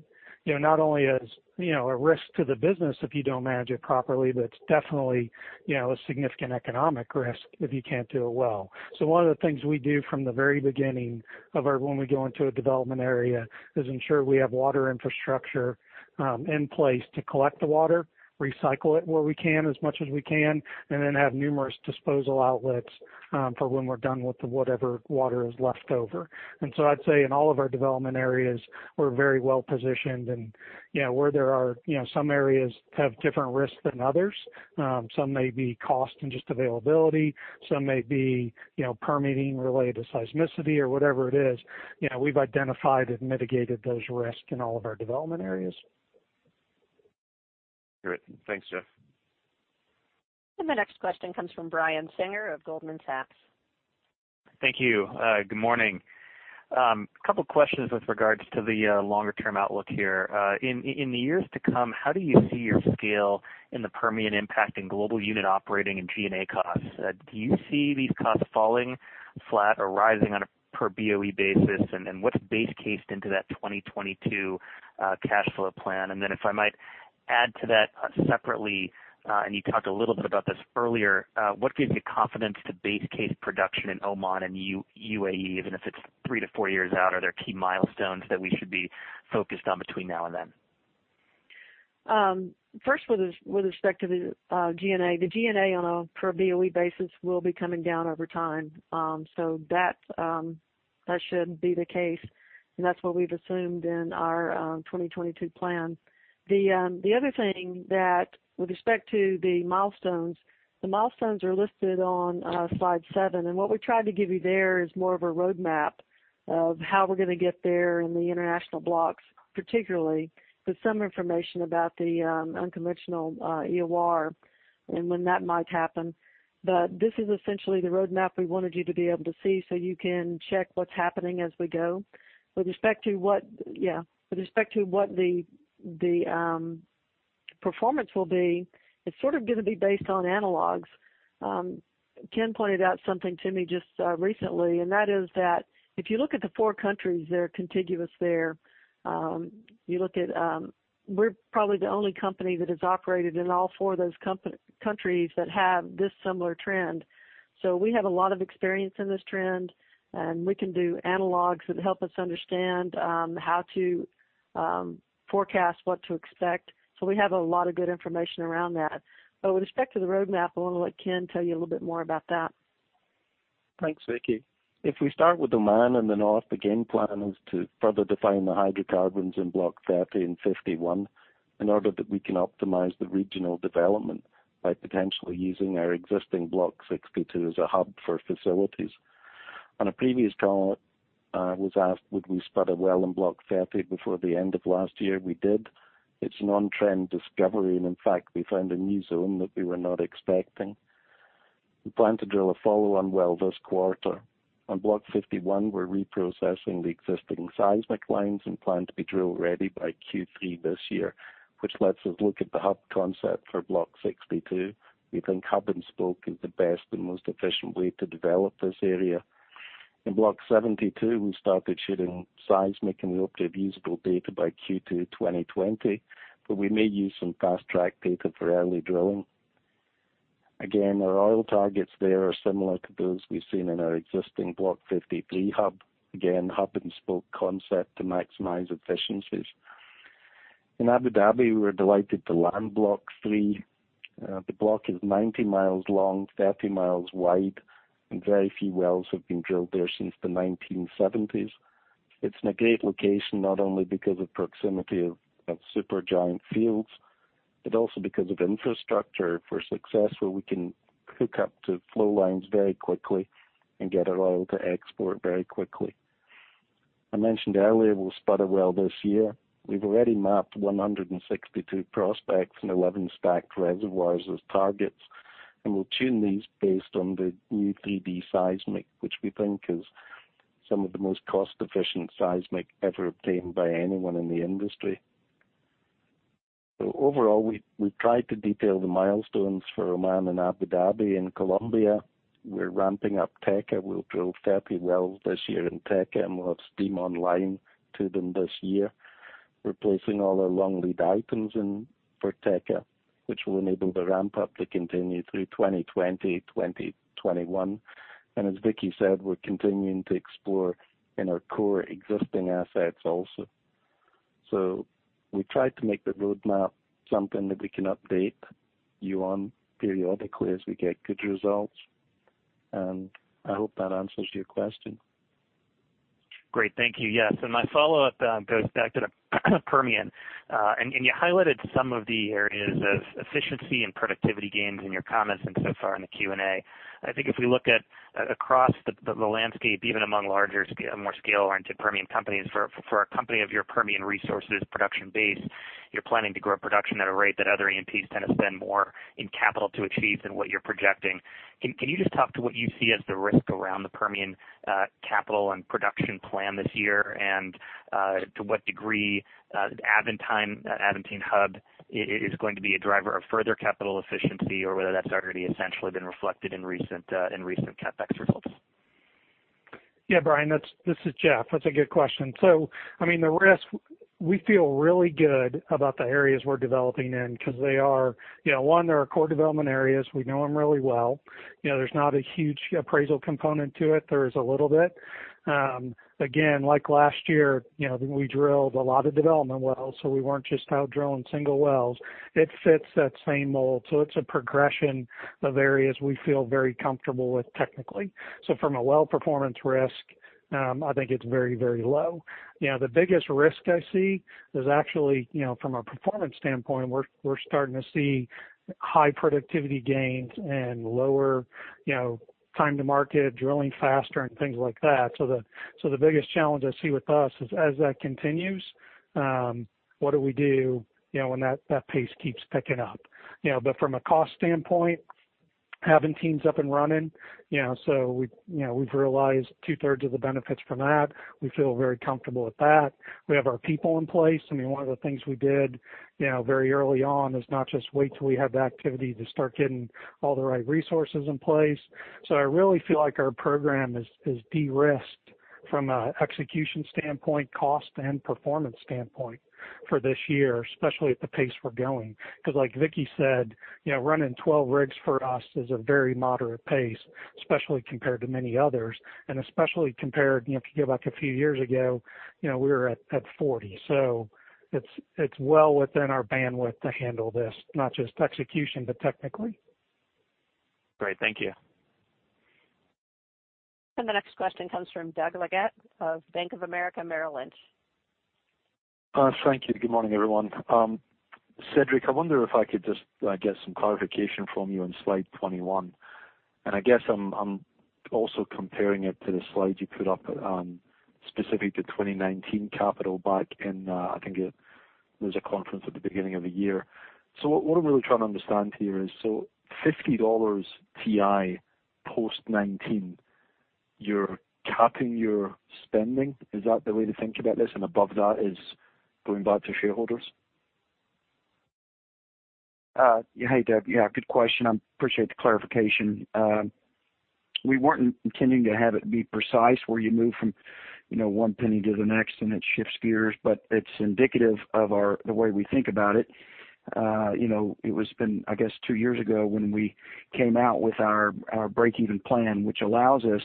not only as a risk to the business if you don't manage it properly, but it's definitely a significant economic risk if you can't do it well. One of the things we do from the very beginning when we go into a development area is ensure we have water infrastructure in place to collect the water, recycle it where we can, as much as we can, and then have numerous disposal outlets for when we're done with the whatever water is left over. I'd say in all of our development areas, we're very well positioned. Some areas have different risks than others. Some may be cost and just availability. Some may be permitting related to seismicity or whatever it is. We've identified and mitigated those risks in all of our development areas. Great. Thanks, Jeff. The next question comes from Brian Singer of Goldman Sachs. Thank you. Good morning. Couple questions with regards to the longer-term outlook here. In the years to come, how do you see your scale in the Permian impacting global unit operating and G&A costs? Do you see these costs falling flat or rising on a per BOE basis? What's base cased into that 2022 cash flow plan? If I might add to that separately, and you talked a little bit about this earlier, what gives you confidence to base case production in Oman and UAE, even if it's three to four years out? Are there key milestones that we should be focused on between now and then? First, with respect to the G&A, the G&A on a per BOE basis will be coming down over time. That should be the case, and that's what we've assumed in our 2022 plan. The other thing that with respect to the milestones, the milestones are listed on slide seven, and what we tried to give you there is more of a roadmap of how we're going to get there in the international blocks, particularly with some information about the unconventional EOR and when that might happen. This is essentially the roadmap we wanted you to be able to see so you can check what's happening as we go. With respect to what the performance will be, it's sort of going to be based on analogs. Ken pointed out something to me just recently, and that is that if you look at the four countries that are contiguous there, we're probably the only company that has operated in all four of those countries that have this similar trend. We have a lot of experience in this trend, and we can do analogs that help us understand how to forecast what to expect. We have a lot of good information around that. With respect to the roadmap, I want to let Ken tell you a little bit more about that. Thanks, Vicki. If we start with Oman and the North, the game plan is to further define the hydrocarbons in Block 30 and 51 in order that we can optimize the regional development by potentially using our existing Block 62 as a hub for facilities. On a previous call, I was asked, would we spud a well in Block 30 before the end of last year? We did. It's an on-trend discovery, and in fact, we found a new zone that we were not expecting. We plan to drill a follow-on well this quarter. On Block 51, we're reprocessing the existing seismic lines and plan to be drill ready by Q3 this year, which lets us look at the hub concept for Block 62. We think hub and spoke is the best and most efficient way to develop this area. In Block 72, we started shooting seismic, and we hope to have usable data by Q2 2020, but we may use some fast-track data for early drilling. Again, our oil targets there are similar to those we've seen in our existing Block 53 hub. Again, hub and spoke concept to maximize efficiencies. In Abu Dhabi, we were delighted to land Block 3. The block is 90 miles long, 30 miles wide, and very few wells have been drilled there since the 1970s. It's in a great location, not only because of proximity of super giant fields, but also because of infrastructure. For success, where we can hook up to flow lines very quickly and get our oil to export very quickly. I mentioned earlier, we'll spud a well this year. We've already mapped 162 prospects and 11 stacked reservoirs as targets, and we'll tune these based on the new 3D seismic, which we think is some of the most cost-efficient seismic ever obtained by anyone in the industry. Overall, we've tried to detail the milestones for Oman and Abu Dhabi. In Colombia, we're ramping up Teca. We'll drill 30 wells this year in Teca, and we'll have steam online to them this year, replacing all our long lead items for Teca, which will enable the ramp up to continue through 2020, 2021. As Vicki said, we're continuing to explore in our core existing assets also. We tried to make the roadmap something that we can update you on periodically as we get good results, I hope that answers your question. Great. Thank you. Yes. My follow-up goes back to the Permian. You highlighted some of the areas of efficiency and productivity gains in your comments and so far in the Q&A. I think if we look at across the landscape, even among larger, more scale-oriented Permian companies, for a company of your Permian Resources production base, you're planning to grow production at a rate that other E&Ps tend to spend more in capital to achieve than what you're projecting. Can you just talk to what you see as the risk around the Permian capital and production plan this year, and to what degree the Aventine hub is going to be a driver of further capital efficiency or whether that's already essentially been reflected in recent CapEx results? Yeah, Brian, this is Jeff. That's a good question. The risk, we feel really good about the areas we're developing in because they are core development areas. We know them really well. There's not a huge appraisal component to it. There is a little bit. Again, like last year, we drilled a lot of development wells, we weren't just out drilling single wells. It fits that same mold. It's a progression of areas we feel very comfortable with technically. From a well performance risk, I think it's very low. The biggest risk I see is actually from a performance standpoint. We're starting to see high productivity gains and lower time to market, drilling faster, and things like that. The biggest challenge I see with us is as that continues, what do we do when that pace keeps picking up? From a cost standpoint, Aventine's up and running. We've realized two-thirds of the benefits from that. We feel very comfortable with that. We have our people in place. One of the things we did very early on is not just wait till we have the activity to start getting all the right resources in place. I really feel like our program is de-risked from an execution standpoint, cost, and performance standpoint for this year, especially at the pace we're going. Because like Vicki said, running 12 rigs for us is a very moderate pace, especially compared to many others, and especially compared, if you go back a few years ago, we were at 40. It's well within our bandwidth to handle this, not just execution, but technically. Great. Thank you. The next question comes from Doug Leggate of Bank of America Merrill Lynch. Thank you. Good morning, everyone. Cedric, I wonder if I could just get some clarification from you on slide 21. I guess I'm also comparing it to the slide you put up specific to 2019 capital back in, I think it was a conference at the beginning of the year. What I'm really trying to understand here is $50 WTI post 2019, you're capping your spending? Is that the way to think about this? Above that is going back to shareholders? Hey, Doug. Yeah, good question. I appreciate the clarification. We weren't intending to have it be precise, where you move from one penny to the next, and it shifts gears, but it's indicative of the way we think about it. It was been, I guess, two years ago when we came out with our break-even plan, which allows us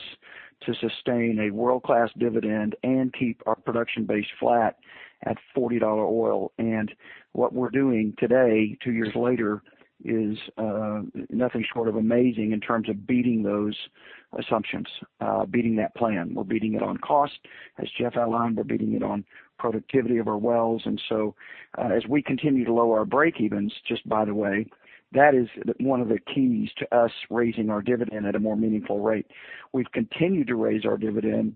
To sustain a world-class dividend and keep our production base flat at $40 oil. What we're doing today, two years later, is nothing short of amazing in terms of beating those assumptions, beating that plan. We're beating it on cost. As Jeff outlined, we're beating it on productivity of our wells. As we continue to lower our breakevens, just by the way, that is one of the keys to us raising our dividend at a more meaningful rate. We've continued to raise our dividend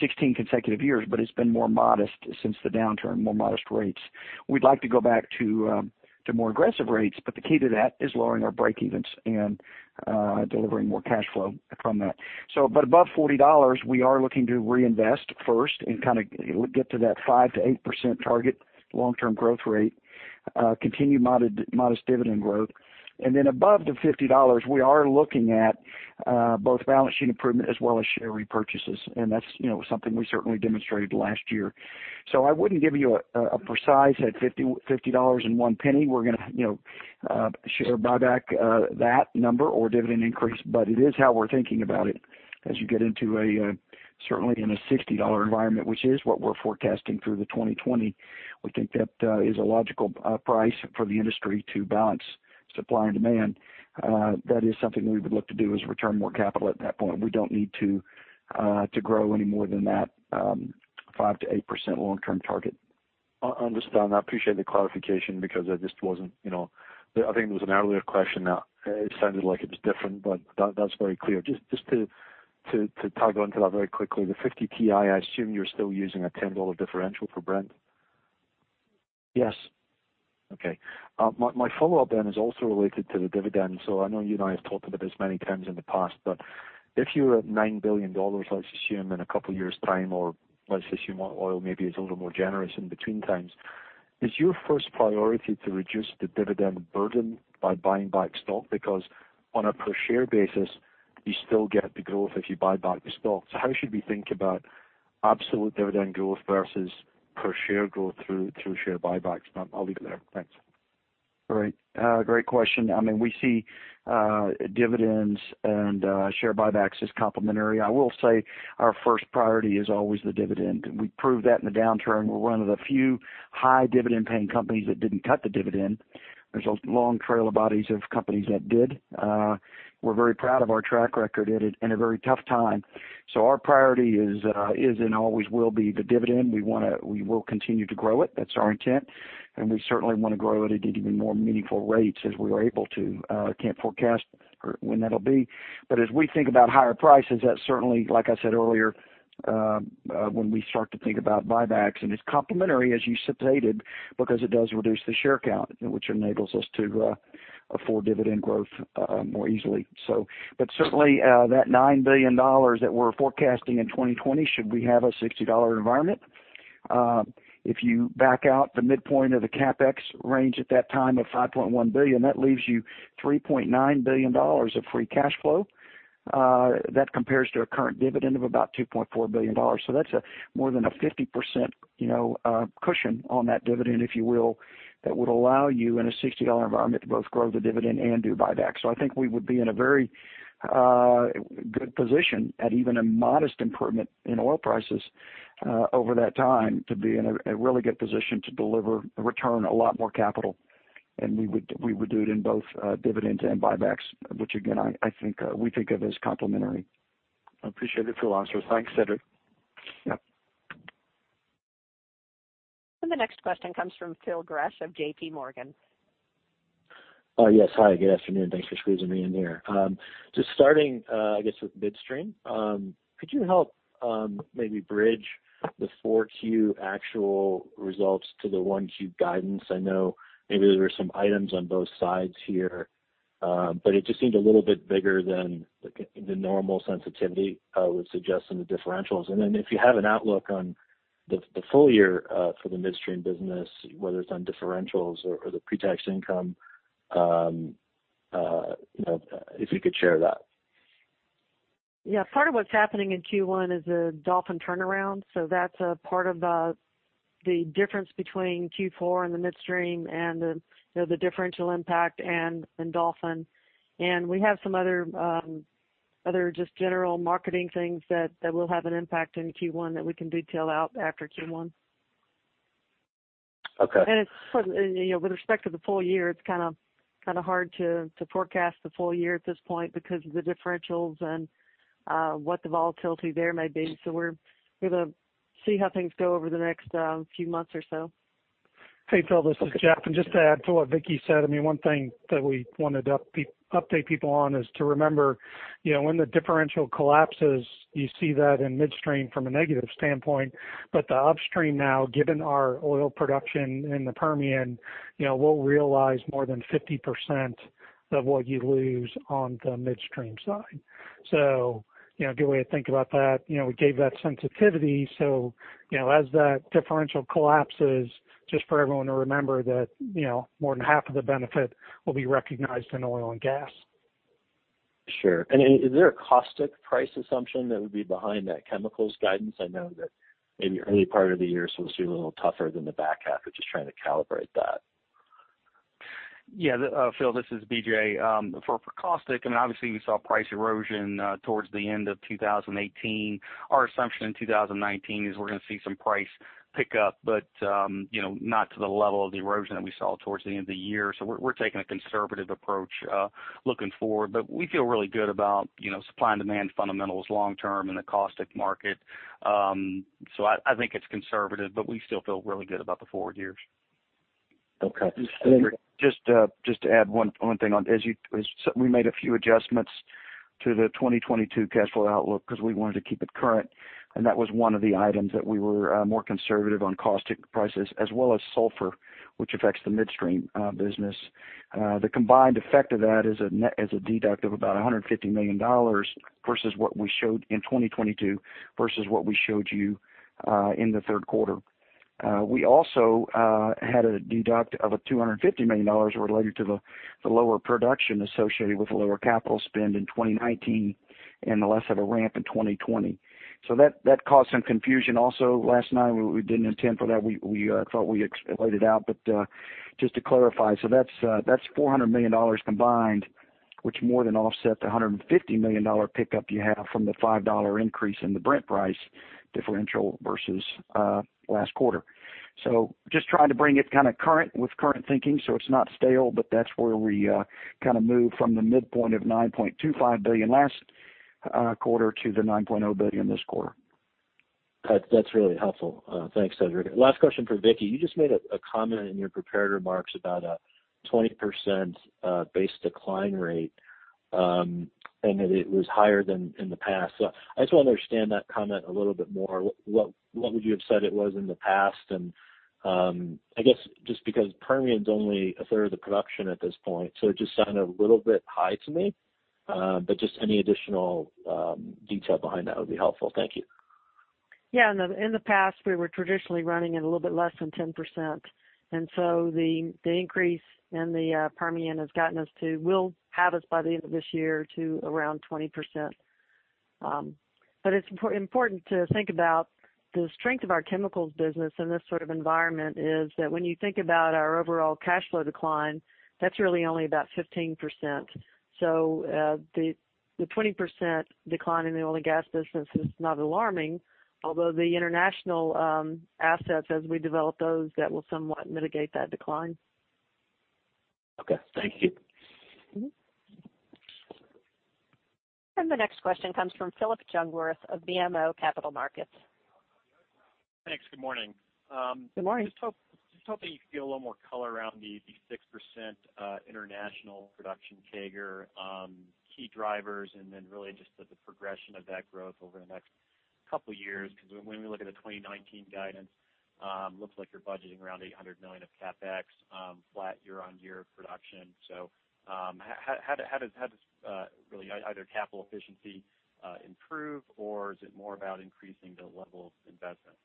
16 consecutive years, but it's been more modest since the downturn, more modest rates. We'd like to go back to more aggressive rates, the key to that is lowering our breakevens and delivering more cash flow from that. Above $40, we are looking to reinvest first and get to that 5%-8% target long-term growth rate, continue modest dividend growth. Above the $50, we are looking at both balance sheet improvement as well as share repurchases. That's something we certainly demonstrated last year. I wouldn't give you a precise, at $50 and one penny, we're going to share buyback that number or dividend increase. It is how we're thinking about it as you get into certainly in a $60 environment, which is what we're forecasting through 2020. We think that is a logical price for the industry to balance supply and demand. That is something we would look to do, is return more capital at that point. We don't need to grow any more than that, 5%-8% long-term target. Understood. I appreciate the clarification because I think there was an earlier question that it sounded like it was different, but that's very clear. Just to toggle into that very quickly, the 50 [TI], I assume you're still using a $10 differential for Brent? Yes. My follow-up then is also related to the dividend. I know you and I have talked about this many times in the past, but if you're at $9 billion, let's assume in a couple of years' time, or let's assume oil maybe is a little more generous in between times, is your first priority to reduce the dividend burden by buying back stock? Because on a per share basis, you still get the growth if you buy back the stock. How should we think about absolute dividend growth versus per share growth through share buybacks? I'll leave it there. Thanks. Great question. We see dividends and share buybacks as complementary. I will say our first priority is always the dividend. We proved that in the downturn. We're one of the few high dividend paying companies that didn't cut the dividend. There's a long trail of bodies of companies that did. We're very proud of our track record in a very tough time. Our priority is, and always will be, the dividend. We will continue to grow it. That's our intent, and we certainly want to grow it at even more meaningful rates as we are able to. Can't forecast when that'll be. As we think about higher prices, that certainly, like I said earlier, when we start to think about buybacks, and it's complementary, as you stated, because it does reduce the share count, which enables us to afford dividend growth more easily. Certainly, that $9 billion that we're forecasting in 2020, should we have a $60 environment? If you back out the midpoint of the CapEx range at that time of $5.1 billion, that leaves you $3.9 billion of free cash flow. That compares to a current dividend of about $2.4 billion. That's more than a 50% cushion on that dividend, if you will, that would allow you, in a $60 environment, to both grow the dividend and do buybacks. I think we would be in a very good position at even a modest improvement in oil prices over that time to be in a really good position to deliver a return, a lot more capital. We would do it in both dividends and buybacks, which again, we think of as complementary. I appreciate it. Thanks, Cedric. Yep. The next question comes from Phil Gresh of JPMorgan. Yes. Hi, good afternoon. Thanks for squeezing me in here. Just starting, I guess with midstream, could you help maybe bridge the 4Q actual results to the 1Q guidance? I know maybe there were some items on both sides here. It just seemed a little bit bigger than the normal sensitivity I would suggest in the differentials. Then if you have an outlook on the full year for the midstream business, whether it's on differentials or the pre-tax income, if you could share that. Yeah. Part of what's happening in Q1 is the Dolphin turnaround. That's a part of the difference between Q4 and the midstream and the differential impact and Dolphin. We have some other just general marketing things that will have an impact in Q1 that we can detail out after Q1. Okay. With respect to the full year, it's kind of hard to forecast the full year at this point because of the differentials and what the volatility there may be. We're going to see how things go over the next few months or so. Hey, Phil, this is Jeff. Just to add to what Vicki said, one thing that we wanted to update people on is to remember, when the differential collapses, you see that in midstream from a negative standpoint, but the upstream now, given our oil production in the Permian, will realize more than 50% of what you lose on the midstream side. A good way to think about that, we gave that sensitivity. As that differential collapses, just for everyone to remember that more than half of the benefit will be recognized in oil and gas. Sure. Is there a caustic price assumption that would be behind that chemicals guidance? I know that maybe early part of the year is supposed to be a little tougher than the back half. I was just trying to calibrate that. Yeah. Phil, this is B.J. For caustic, obviously we saw price erosion towards the end of 2018. Our assumption in 2019 is we're going to see some price pickup, but not to the level of the erosion that we saw towards the end of the year. We're taking a conservative approach looking forward, but we feel really good about supply and demand fundamentals long-term in the caustic market. I think it's conservative, but we still feel really good about the forward years. Okay. Just to add one thing on. We made a few adjustments to the 2022 cash flow outlook because we wanted to keep it current, and that was one of the items that we were more conservative on caustic prices as well as sulfur, which affects the midstream business. The combined effect of that is a deduct of about $150 million versus what we showed in 2022, versus what we showed you in the third quarter. We also had a deduct of $250 million related to the lower production associated with the lower capital spend in 2019, and the less of a ramp in 2020. That caused some confusion also last night. We didn't intend for that. We thought we laid it out, just to clarify, that's $400 million combined, which more than offset the $150 million pickup you have from the $5 increase in the Brent price differential versus last quarter. Just trying to bring it kind of current with current thinking so it's not stale, but that's where we kind of move from the midpoint of $9.25 billion last quarter to the $9.0 billion this quarter. That's really helpful. Thanks, Cedric. Last question for Vicki. You just made a comment in your prepared remarks about a 20% base decline rate, and that it was higher than in the past. I just want to understand that comment a little bit more. What would you have said it was in the past? And I guess just because Permian's only a third of the production at this point, it just sounded a little bit high to me. Just any additional detail behind that would be helpful. Thank you. Yeah. In the past, we were traditionally running at a little bit less than 10%. The increase in the Permian has gotten us to, will have us by the end of this year to around 20%. It's important to think about the strength of our chemicals business in this sort of environment is that when you think about our overall cash flow decline, that's really only about 15%. The 20% decline in the oil and gas business is not alarming, although the international assets, as we develop those, that will somewhat mitigate that decline. Okay. Thank you. The next question comes from Phillip Jungwirth of BMO Capital Markets. Thanks. Good morning. Good morning. Just hoping you could give a little more color around the 6% international production CAGR, key drivers, and then really just the progression of that growth over the next two years. When we look at the 2019 guidance, looks like you're budgeting around $800 million of CapEx, flat year-over-year production. How does really either capital efficiency improve, or is it more about increasing the level of investment?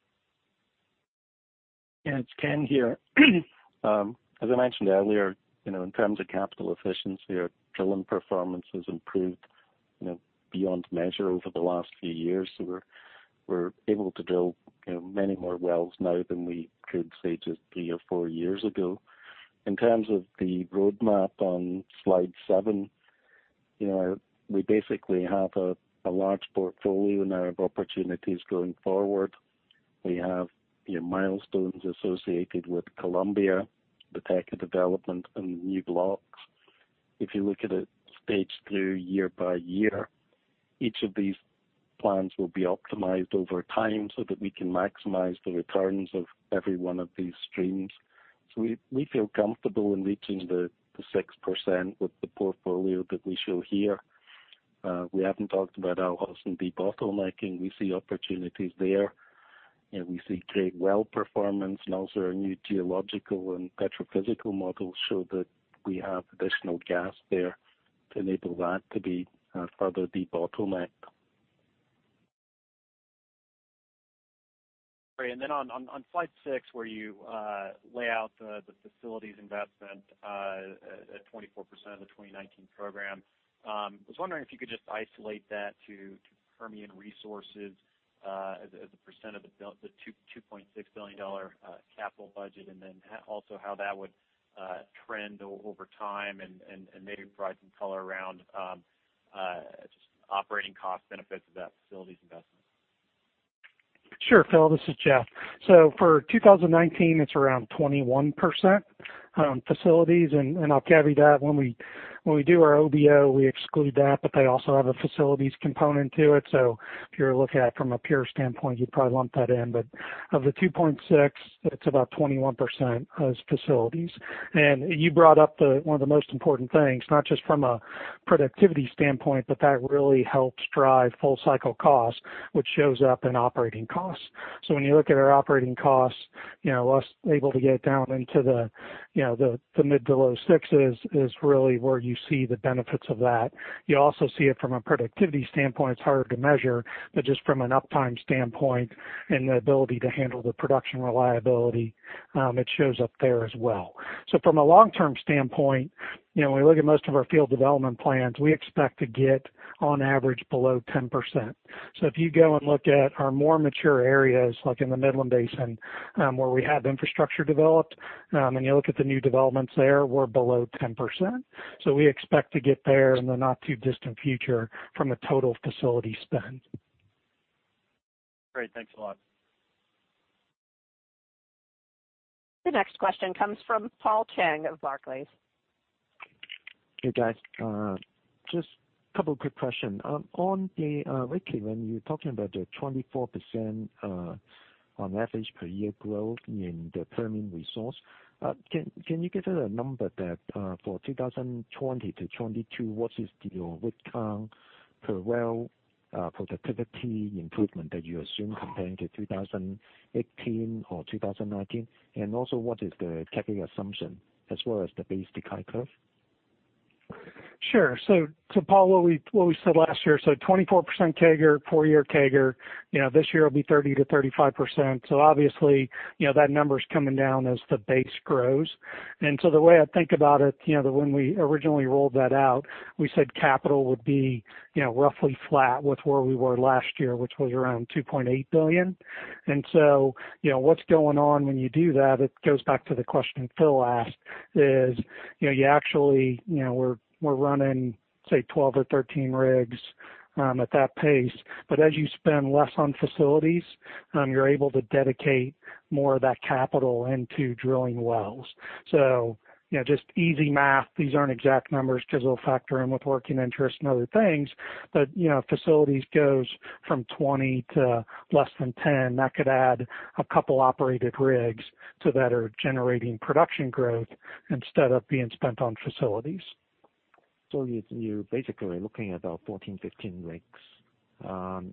It's Ken here. As I mentioned earlier, in terms of capital efficiency, our drilling performance has improved beyond measure over the last few years. We're able to drill many more wells now than we could, say, just three or four years ago. In terms of the roadmap on slide seven, we basically have a large portfolio now of opportunities going forward. We have your milestones associated with Colombia, the Teca development, and new blocks. If you look at it stage through year by year, each of these plans will be optimized over time so that we can maximize the returns of every one of these streams. We feel comfortable in reaching the 6% with the portfolio that we show here. We haven't talked about our de-bottlenecking. We see opportunities there. We see great well performance and also our new geological and petrophysical models show that we have additional gas there to enable that to be further de-bottlenecked. Great. On slide six, where you lay out the facilities investment at 24% of the 2019 program. I was wondering if you could just isolate that to Permian Resources as a percent of the $2.6 billion capital budget, and also how that would trend over time and maybe provide some color around just operating cost benefits of that facilities investment. Sure. Phil, this is Jeff. For 2019, it's around 21% on facilities. I'll caveat that when we do our OBO, we exclude that, but they also have a facilities component to it. If you were looking at it from a pure standpoint, you'd probably lump that in. Of the $2.6, it's about 21% as facilities. You brought up one of the most important things, not just from a productivity standpoint, but that really helps drive full cycle cost, which shows up in operating costs. When you look at our operating costs, us able to get down into the mid to low six is really where you see the benefits of that. You also see it from a productivity standpoint. It's harder to measure, but just from an uptime standpoint and the ability to handle the production reliability, it shows up there as well. From a long-term standpoint, when we look at most of our field development plans, we expect to get on average below 10%. If you go and look at our more mature areas, like in the Midland Basin, where we have infrastructure developed, when you look at the new developments there, we're below 10%. We expect to get there in the not-too-distant future from a total facility spend. Great. Thanks a lot. The next question comes from Paul Cheng of Barclays. Hey, guys. Just a couple of quick questions. On the—Vicki, when you were talking about the 24% on average per year growth in the Permian Resources, can you give us a number that for 2020-2022, what is your rig count per well productivity improvement that you assume comparing to 2018 or 2019? And also, what is the CapEx assumption as well as the base decline curve? Sure. Paul, what we said last year, 24% CAGR, four-year CAGR. This year it'll be 30%-35%. Obviously, that number's coming down as the base grows. The way I think about it, when we originally rolled that out, we said capital would be roughly flat with where we were last year, which was around $2.8 billion. What's going on when you do that, it goes back to the question Phil asked, is, we're running, say, 12 or 13 rigs at that pace. As you spend less on facilities, you're able to dedicate more of that capital into drilling wells. Just easy math. These aren't exact numbers because they'll factor in with working interest and other things. Facilities goes from 20 to less than 10. That could add a couple operated rigs, that are generating production growth instead of being spent on facilities. You're basically looking at about 14, 15 rigs.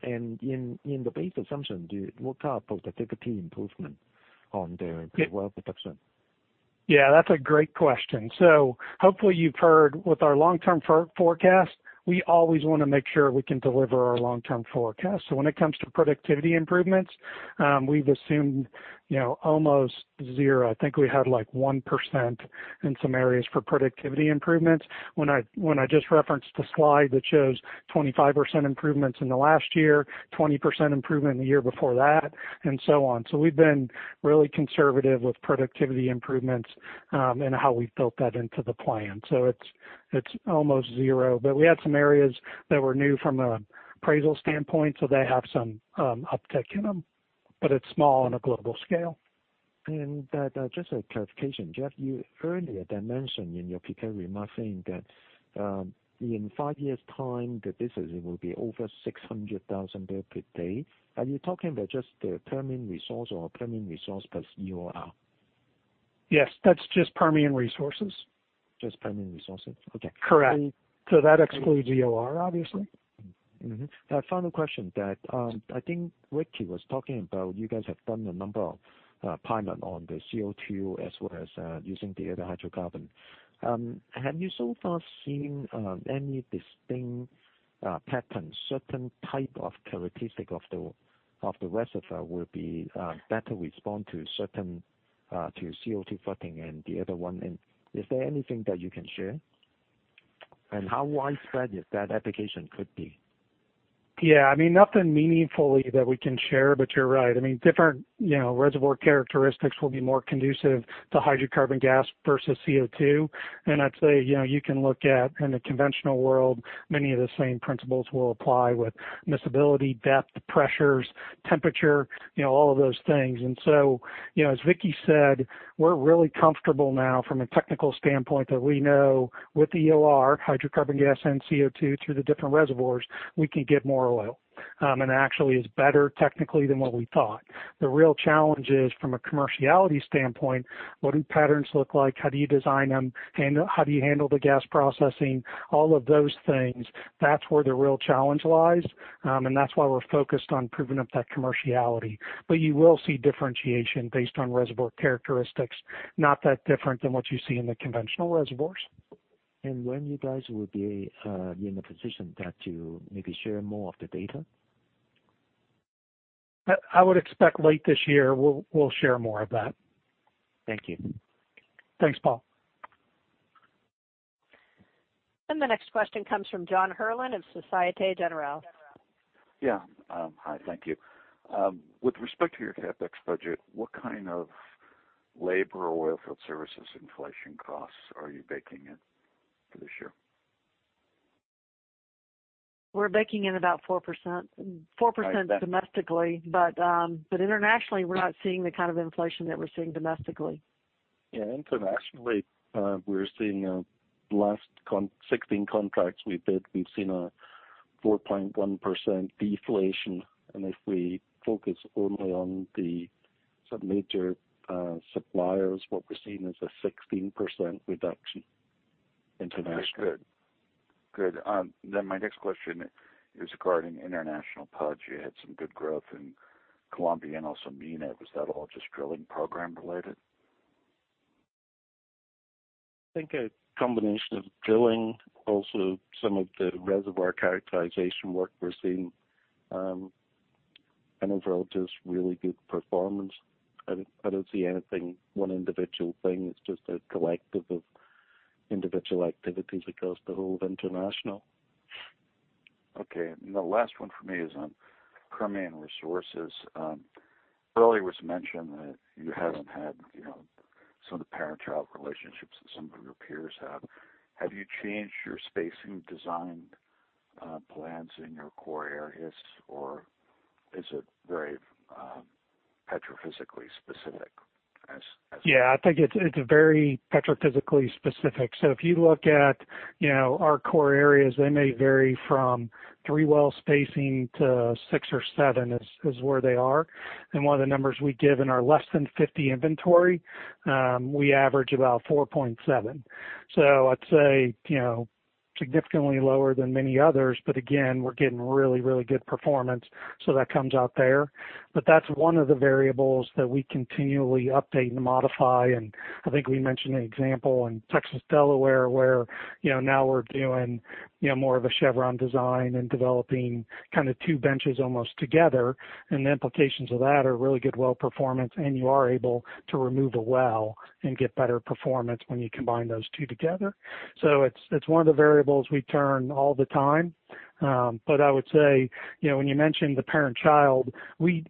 In the base assumption, what's our productivity improvement on the well production? Yeah, that's a great question. Hopefully you've heard with our long-term forecast, we always want to make sure we can deliver our long-term forecast. When it comes to productivity improvements, we've assumed almost zero. I think we had 1% in some areas for productivity improvements. When I just referenced the slide that shows 25% improvements in the last year, 20% improvement in the year before that, and so on. We've been really conservative with productivity improvements, and how we've built that into the plan. It's almost zero, but we had some areas that were new from an appraisal standpoint, so they have some uptick in them, but it's small on a global scale. Just a clarification, Jeff, you earlier mentioned in your prepared remarks saying that, in five years' time, the business will be over 600,000 bbl per day. Are you talking about just the Permian Resources or Permian Resources plus EOR? Yes, that's just Permian Resources. Just Permian Resources. Okay. Correct. That excludes EOR, obviously. Final question that I think Vicki was talking about, you guys have done a number of pilot on the CO2 as well as using the other hydrocarbon. Have you so far seen any distinct patterns, certain type of characteristic of the reservoir will be better respond to certain to CO2 flooding and the other one, and is there anything that you can share? How widespread that application could be? Nothing meaningfully that we can share, you're right. Different reservoir characteristics will be more conducive to hydrocarbon gas versus CO2. I'd say, you can look at, in the conventional world, many of the same principles will apply with miscibility, depth, pressures, temperature, all of those things. As Vicki said, we're really comfortable now from a technical standpoint that we know with EOR, hydrocarbon gas and CO2 through the different reservoirs, we can get more oil. Actually, it's better technically than what we thought. The real challenge is from a commerciality standpoint, what do patterns look like? How do you design them? How do you handle the gas processing? All of those things. That's where the real challenge lies. That's why we're focused on proving up that commerciality. You will see differentiation based on reservoir characteristics, not that different than what you see in the conventional reservoirs. When you guys will be in the position that you maybe share more of the data? I would expect late this year, we'll share more of that. Thank you. Thanks, Paul. The next question comes from John Herrlin of Societe Generale. Yeah. Hi, thank you. With respect to your CapEx budget, what kind of labor or oilfield services inflation costs are you baking in for this year? We're baking in about 4%. 4% domestically, but internationally, we're not seeing the kind of inflation that we're seeing domestically. Yeah. Internationally, we're seeing last 16 contracts we bid, we've seen a 4.1% deflation. If we focus only on the submajor suppliers, what we're seeing is a 16% reduction internationally. That's good. Good. My next question is regarding international PUD. You had some good growth in Colombia and also Oman. Was that all just drilling program related? I think a combination of drilling, also some of the reservoir characterization work we're seeing. Overall, just really good performance. I don't see anything, one individual thing. It's just a collective of individual activities across the whole of international. The last one for me is on Permian Resources. Earlier it was mentioned that you haven't had some of the parent-child relationships that some of your peers have. Have you changed your spacing design plans in your core areas, or is it very petrophysically specific? Yeah, I think it's very petrophysically specific. If you look at our core areas, they may vary from three well spacing to six or seven, is where they are. One of the numbers we give in our less than 50 inventory, we average about $4.7 billion. I'd say, significantly lower than many others, but again, we're getting really, really good performance, so that comes out there. That's one of the variables that we continually update and modify. I think we mentioned an example in Texas Delaware, where now we're doing more of a chevron design and developing two benches almost together. The implications of that are really good well performance, and you are able to remove a well and get better performance when you combine those two together. It's one of the variables we turn all the time. I would say, when you mentioned the parent-child, we're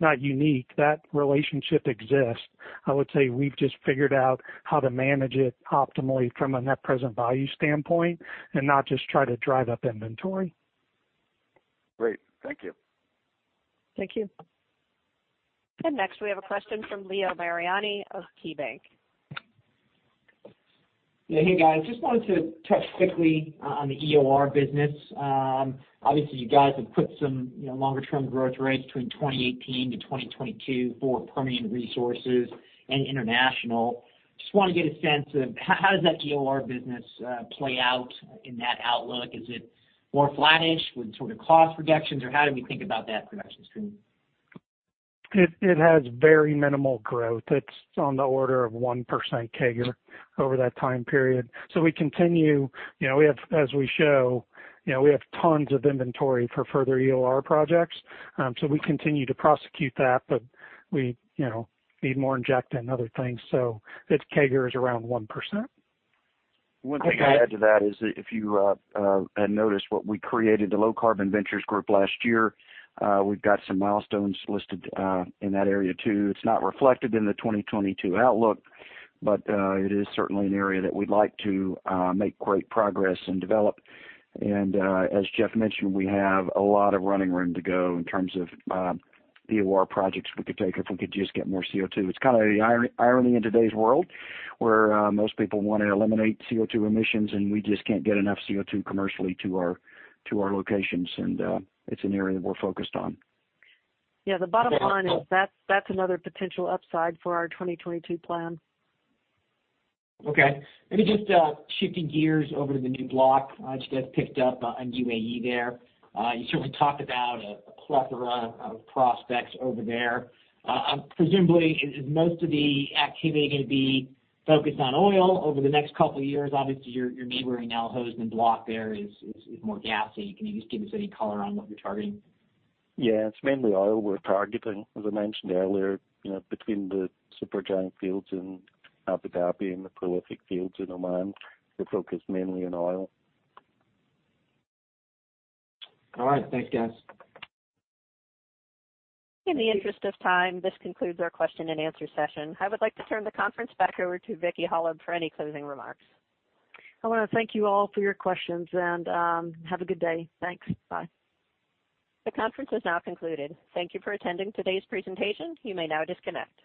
not unique. That relationship exists. I would say we've just figured out how to manage it optimally from a net present value standpoint and not just try to drive up inventory. Great. Thank you. Thank you. Next we have a question from Leo Mariani of KeyBanc. Yeah. Hey, guys. Just wanted to touch quickly on the EOR business. Obviously, you guys have put some longer-term growth rates between 2018 to 2022 for Permian Resources and international. Just want to get a sense of how does that EOR business play out in that outlook? Is it more flattish with sort of cost reductions, or how do we think about that production stream? It has very minimal growth. It's on the order of 1% CAGR over that time period. We continue, as we show, we have tons of inventory for further EOR projects. We continue to prosecute that, but we need more injectant and other things. Its CAGR is around 1%. One thing I'd add to that is if you had noticed what we created, the Low Carbon Ventures Group last year, we've got some milestones listed in that area, too. It's not reflected in the 2022 outlook, but it is certainly an area that we'd like to make great progress and develop. As Jeff mentioned, we have a lot of running room to go in terms of EOR projects we could take if we could just get more CO2. It's kind of the irony in today's world, where most people want to eliminate CO2 emissions. We just can't get enough CO2 commercially to our locations. It's an area that we're focused on. Yeah, the bottom line is that's another potential upside for our 2022 plan. Okay. Let me just shifting gears over to the new block. Jeff picked up on UAE there. You sort of talked about a plethora of prospects over there. Presumably, is most of the activity going to be focused on oil over the next couple of years? Obviously, your neighboring Al Hosn block there is more gassy. Can you just give us any color on what you're targeting? Yeah. It's mainly oil we're targeting. As I mentioned earlier, between the super giant fields in Abu Dhabi and the prolific fields in Oman, we're focused mainly on oil. All right. Thanks, guys. In the interest of time, this concludes our question and answer session. I would like to turn the conference back over to Vicki Hollub for any closing remarks. I want to thank you all for your questions, and have a good day. Thanks. Bye. The conference is now concluded. Thank you for attending today's presentation. You may now disconnect.